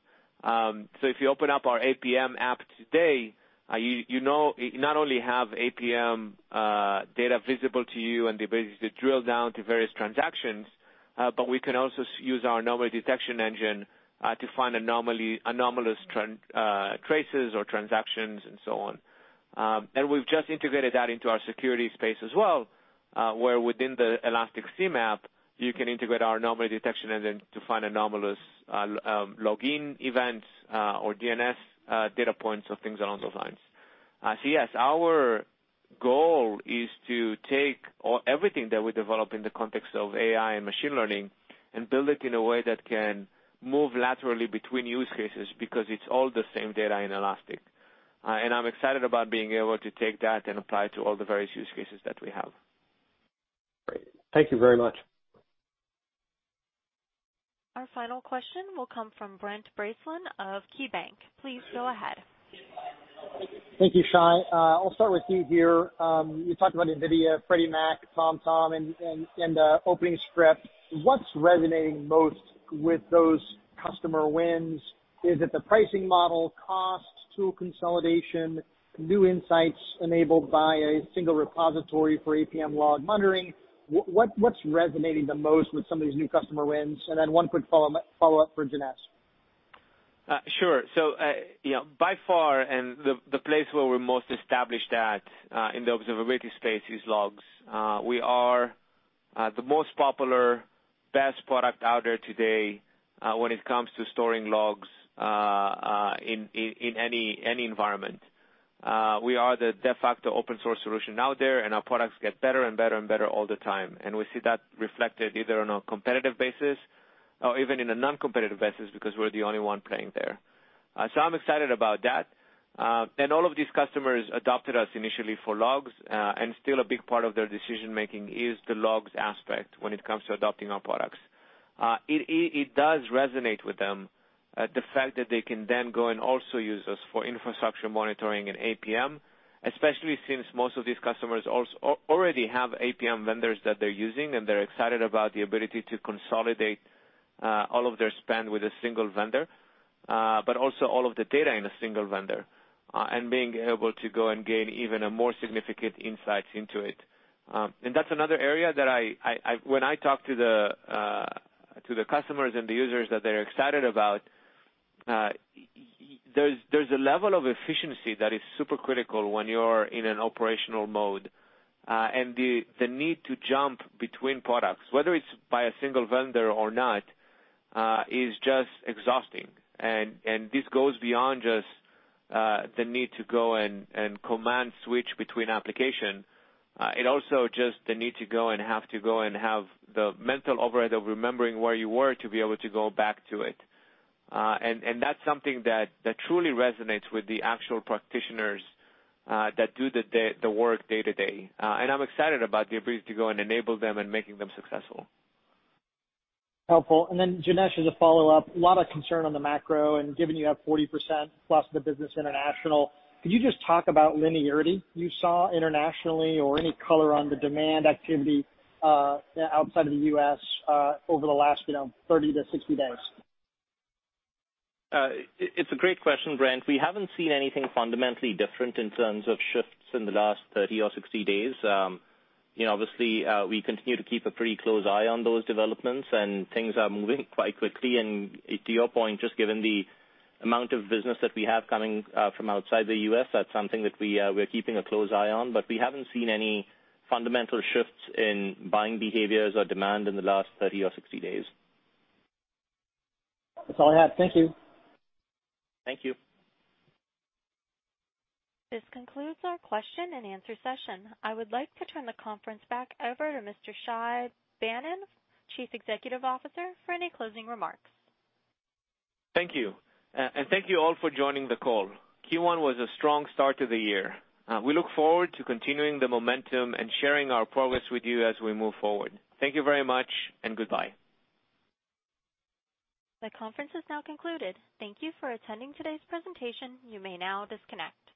Speaker 3: If you open up our APM app today, you not only have APM data visible to you and the ability to drill down to various transactions, but we can also use our anomaly detection engine to find anomalous traces or transactions and so on. We've just integrated that into our security space as well, where within the Elastic SIEM app, you can integrate our anomaly detection engine to find anomalous login events, or DNS data points or things along those lines. Yes, our goal is to take everything that we develop in the context of AI and machine learning and build it in a way that can move laterally between use cases because it's all the same data in Elastic. I'm excited about being able to take that and apply it to all the various use cases that we have.
Speaker 12: Great. Thank you very much.
Speaker 1: Our final question will come from Brent Bracelin of KeyBank. Please go ahead.
Speaker 13: Thank you, Shay. I'll start with you here. You talked about NVIDIA, Freddie Mac, TomTom in the opening script. What's resonating most with those customer wins? Is it the pricing model, costs, tool consolidation, new insights enabled by a single repository for APM log monitoring? What's resonating the most with some of these new customer wins? Then one quick follow-up for Janesh.
Speaker 3: Sure. By far, and the place where we're most established at, in the observability space, is logs. We are the most popular, best product out there today when it comes to storing logs, in any environment. We are the de facto open source solution out there. Our products get better and better all the time, and we see that reflected either on a competitive basis or even in a non-competitive basis because we're the only one playing there. I'm excited about that. All of these customers adopted us initially for logs, and still a big part of their decision-making is the logs aspect when it comes to adopting our products. It does resonate with them, the fact that they can then go and also use us for infrastructure monitoring and APM, especially since most of these customers already have APM vendors that they're using. They're excited about the ability to consolidate all of their spend with a single vendor, but also all of the data in a single vendor, and being able to go and gain even a more significant insights into it. That's another area that when I talk to the customers and the users that they're excited about, there's a level of efficiency that is super critical when you're in an operational mode. The need to jump between products, whether it's by a single vendor or not, is just exhausting. This goes beyond just the need to go and command switch between application. It also just the need to go and have the mental overhead of remembering where you were to be able to go back to it. That's something that truly resonates with the actual practitioners that do the work day to day. I'm excited about the ability to go and enable them and making them successful.
Speaker 13: Helpful. Then Janesh, as a follow-up, a lot of concern on the macro, and given you have 40% plus of the business international, could you just talk about linearity you saw internationally or any color on the demand activity outside of the U.S., over the last, 30 to 60 days?
Speaker 4: It's a great question, Brent. We haven't seen anything fundamentally different in terms of shifts in the last 30 or 60 days. Obviously, we continue to keep a pretty close eye on those developments, and things are moving quite quickly. To your point, just given the amount of business that we have coming from outside the U.S., that's something that we're keeping a close eye on. We haven't seen any fundamental shifts in buying behaviors or demand in the last 30 or 60 days.
Speaker 13: That's all I have. Thank you.
Speaker 4: Thank you.
Speaker 1: This concludes our question and answer session. I would like to turn the conference back over to Mr. Shay Banon, Chief Executive Officer, for any closing remarks.
Speaker 3: Thank you. Thank you all for joining the call. Q1 was a strong start to the year. We look forward to continuing the momentum and sharing our progress with you as we move forward. Thank you very much, and goodbye.
Speaker 1: The conference is now concluded. Thank you for attending today's presentation. You may now disconnect.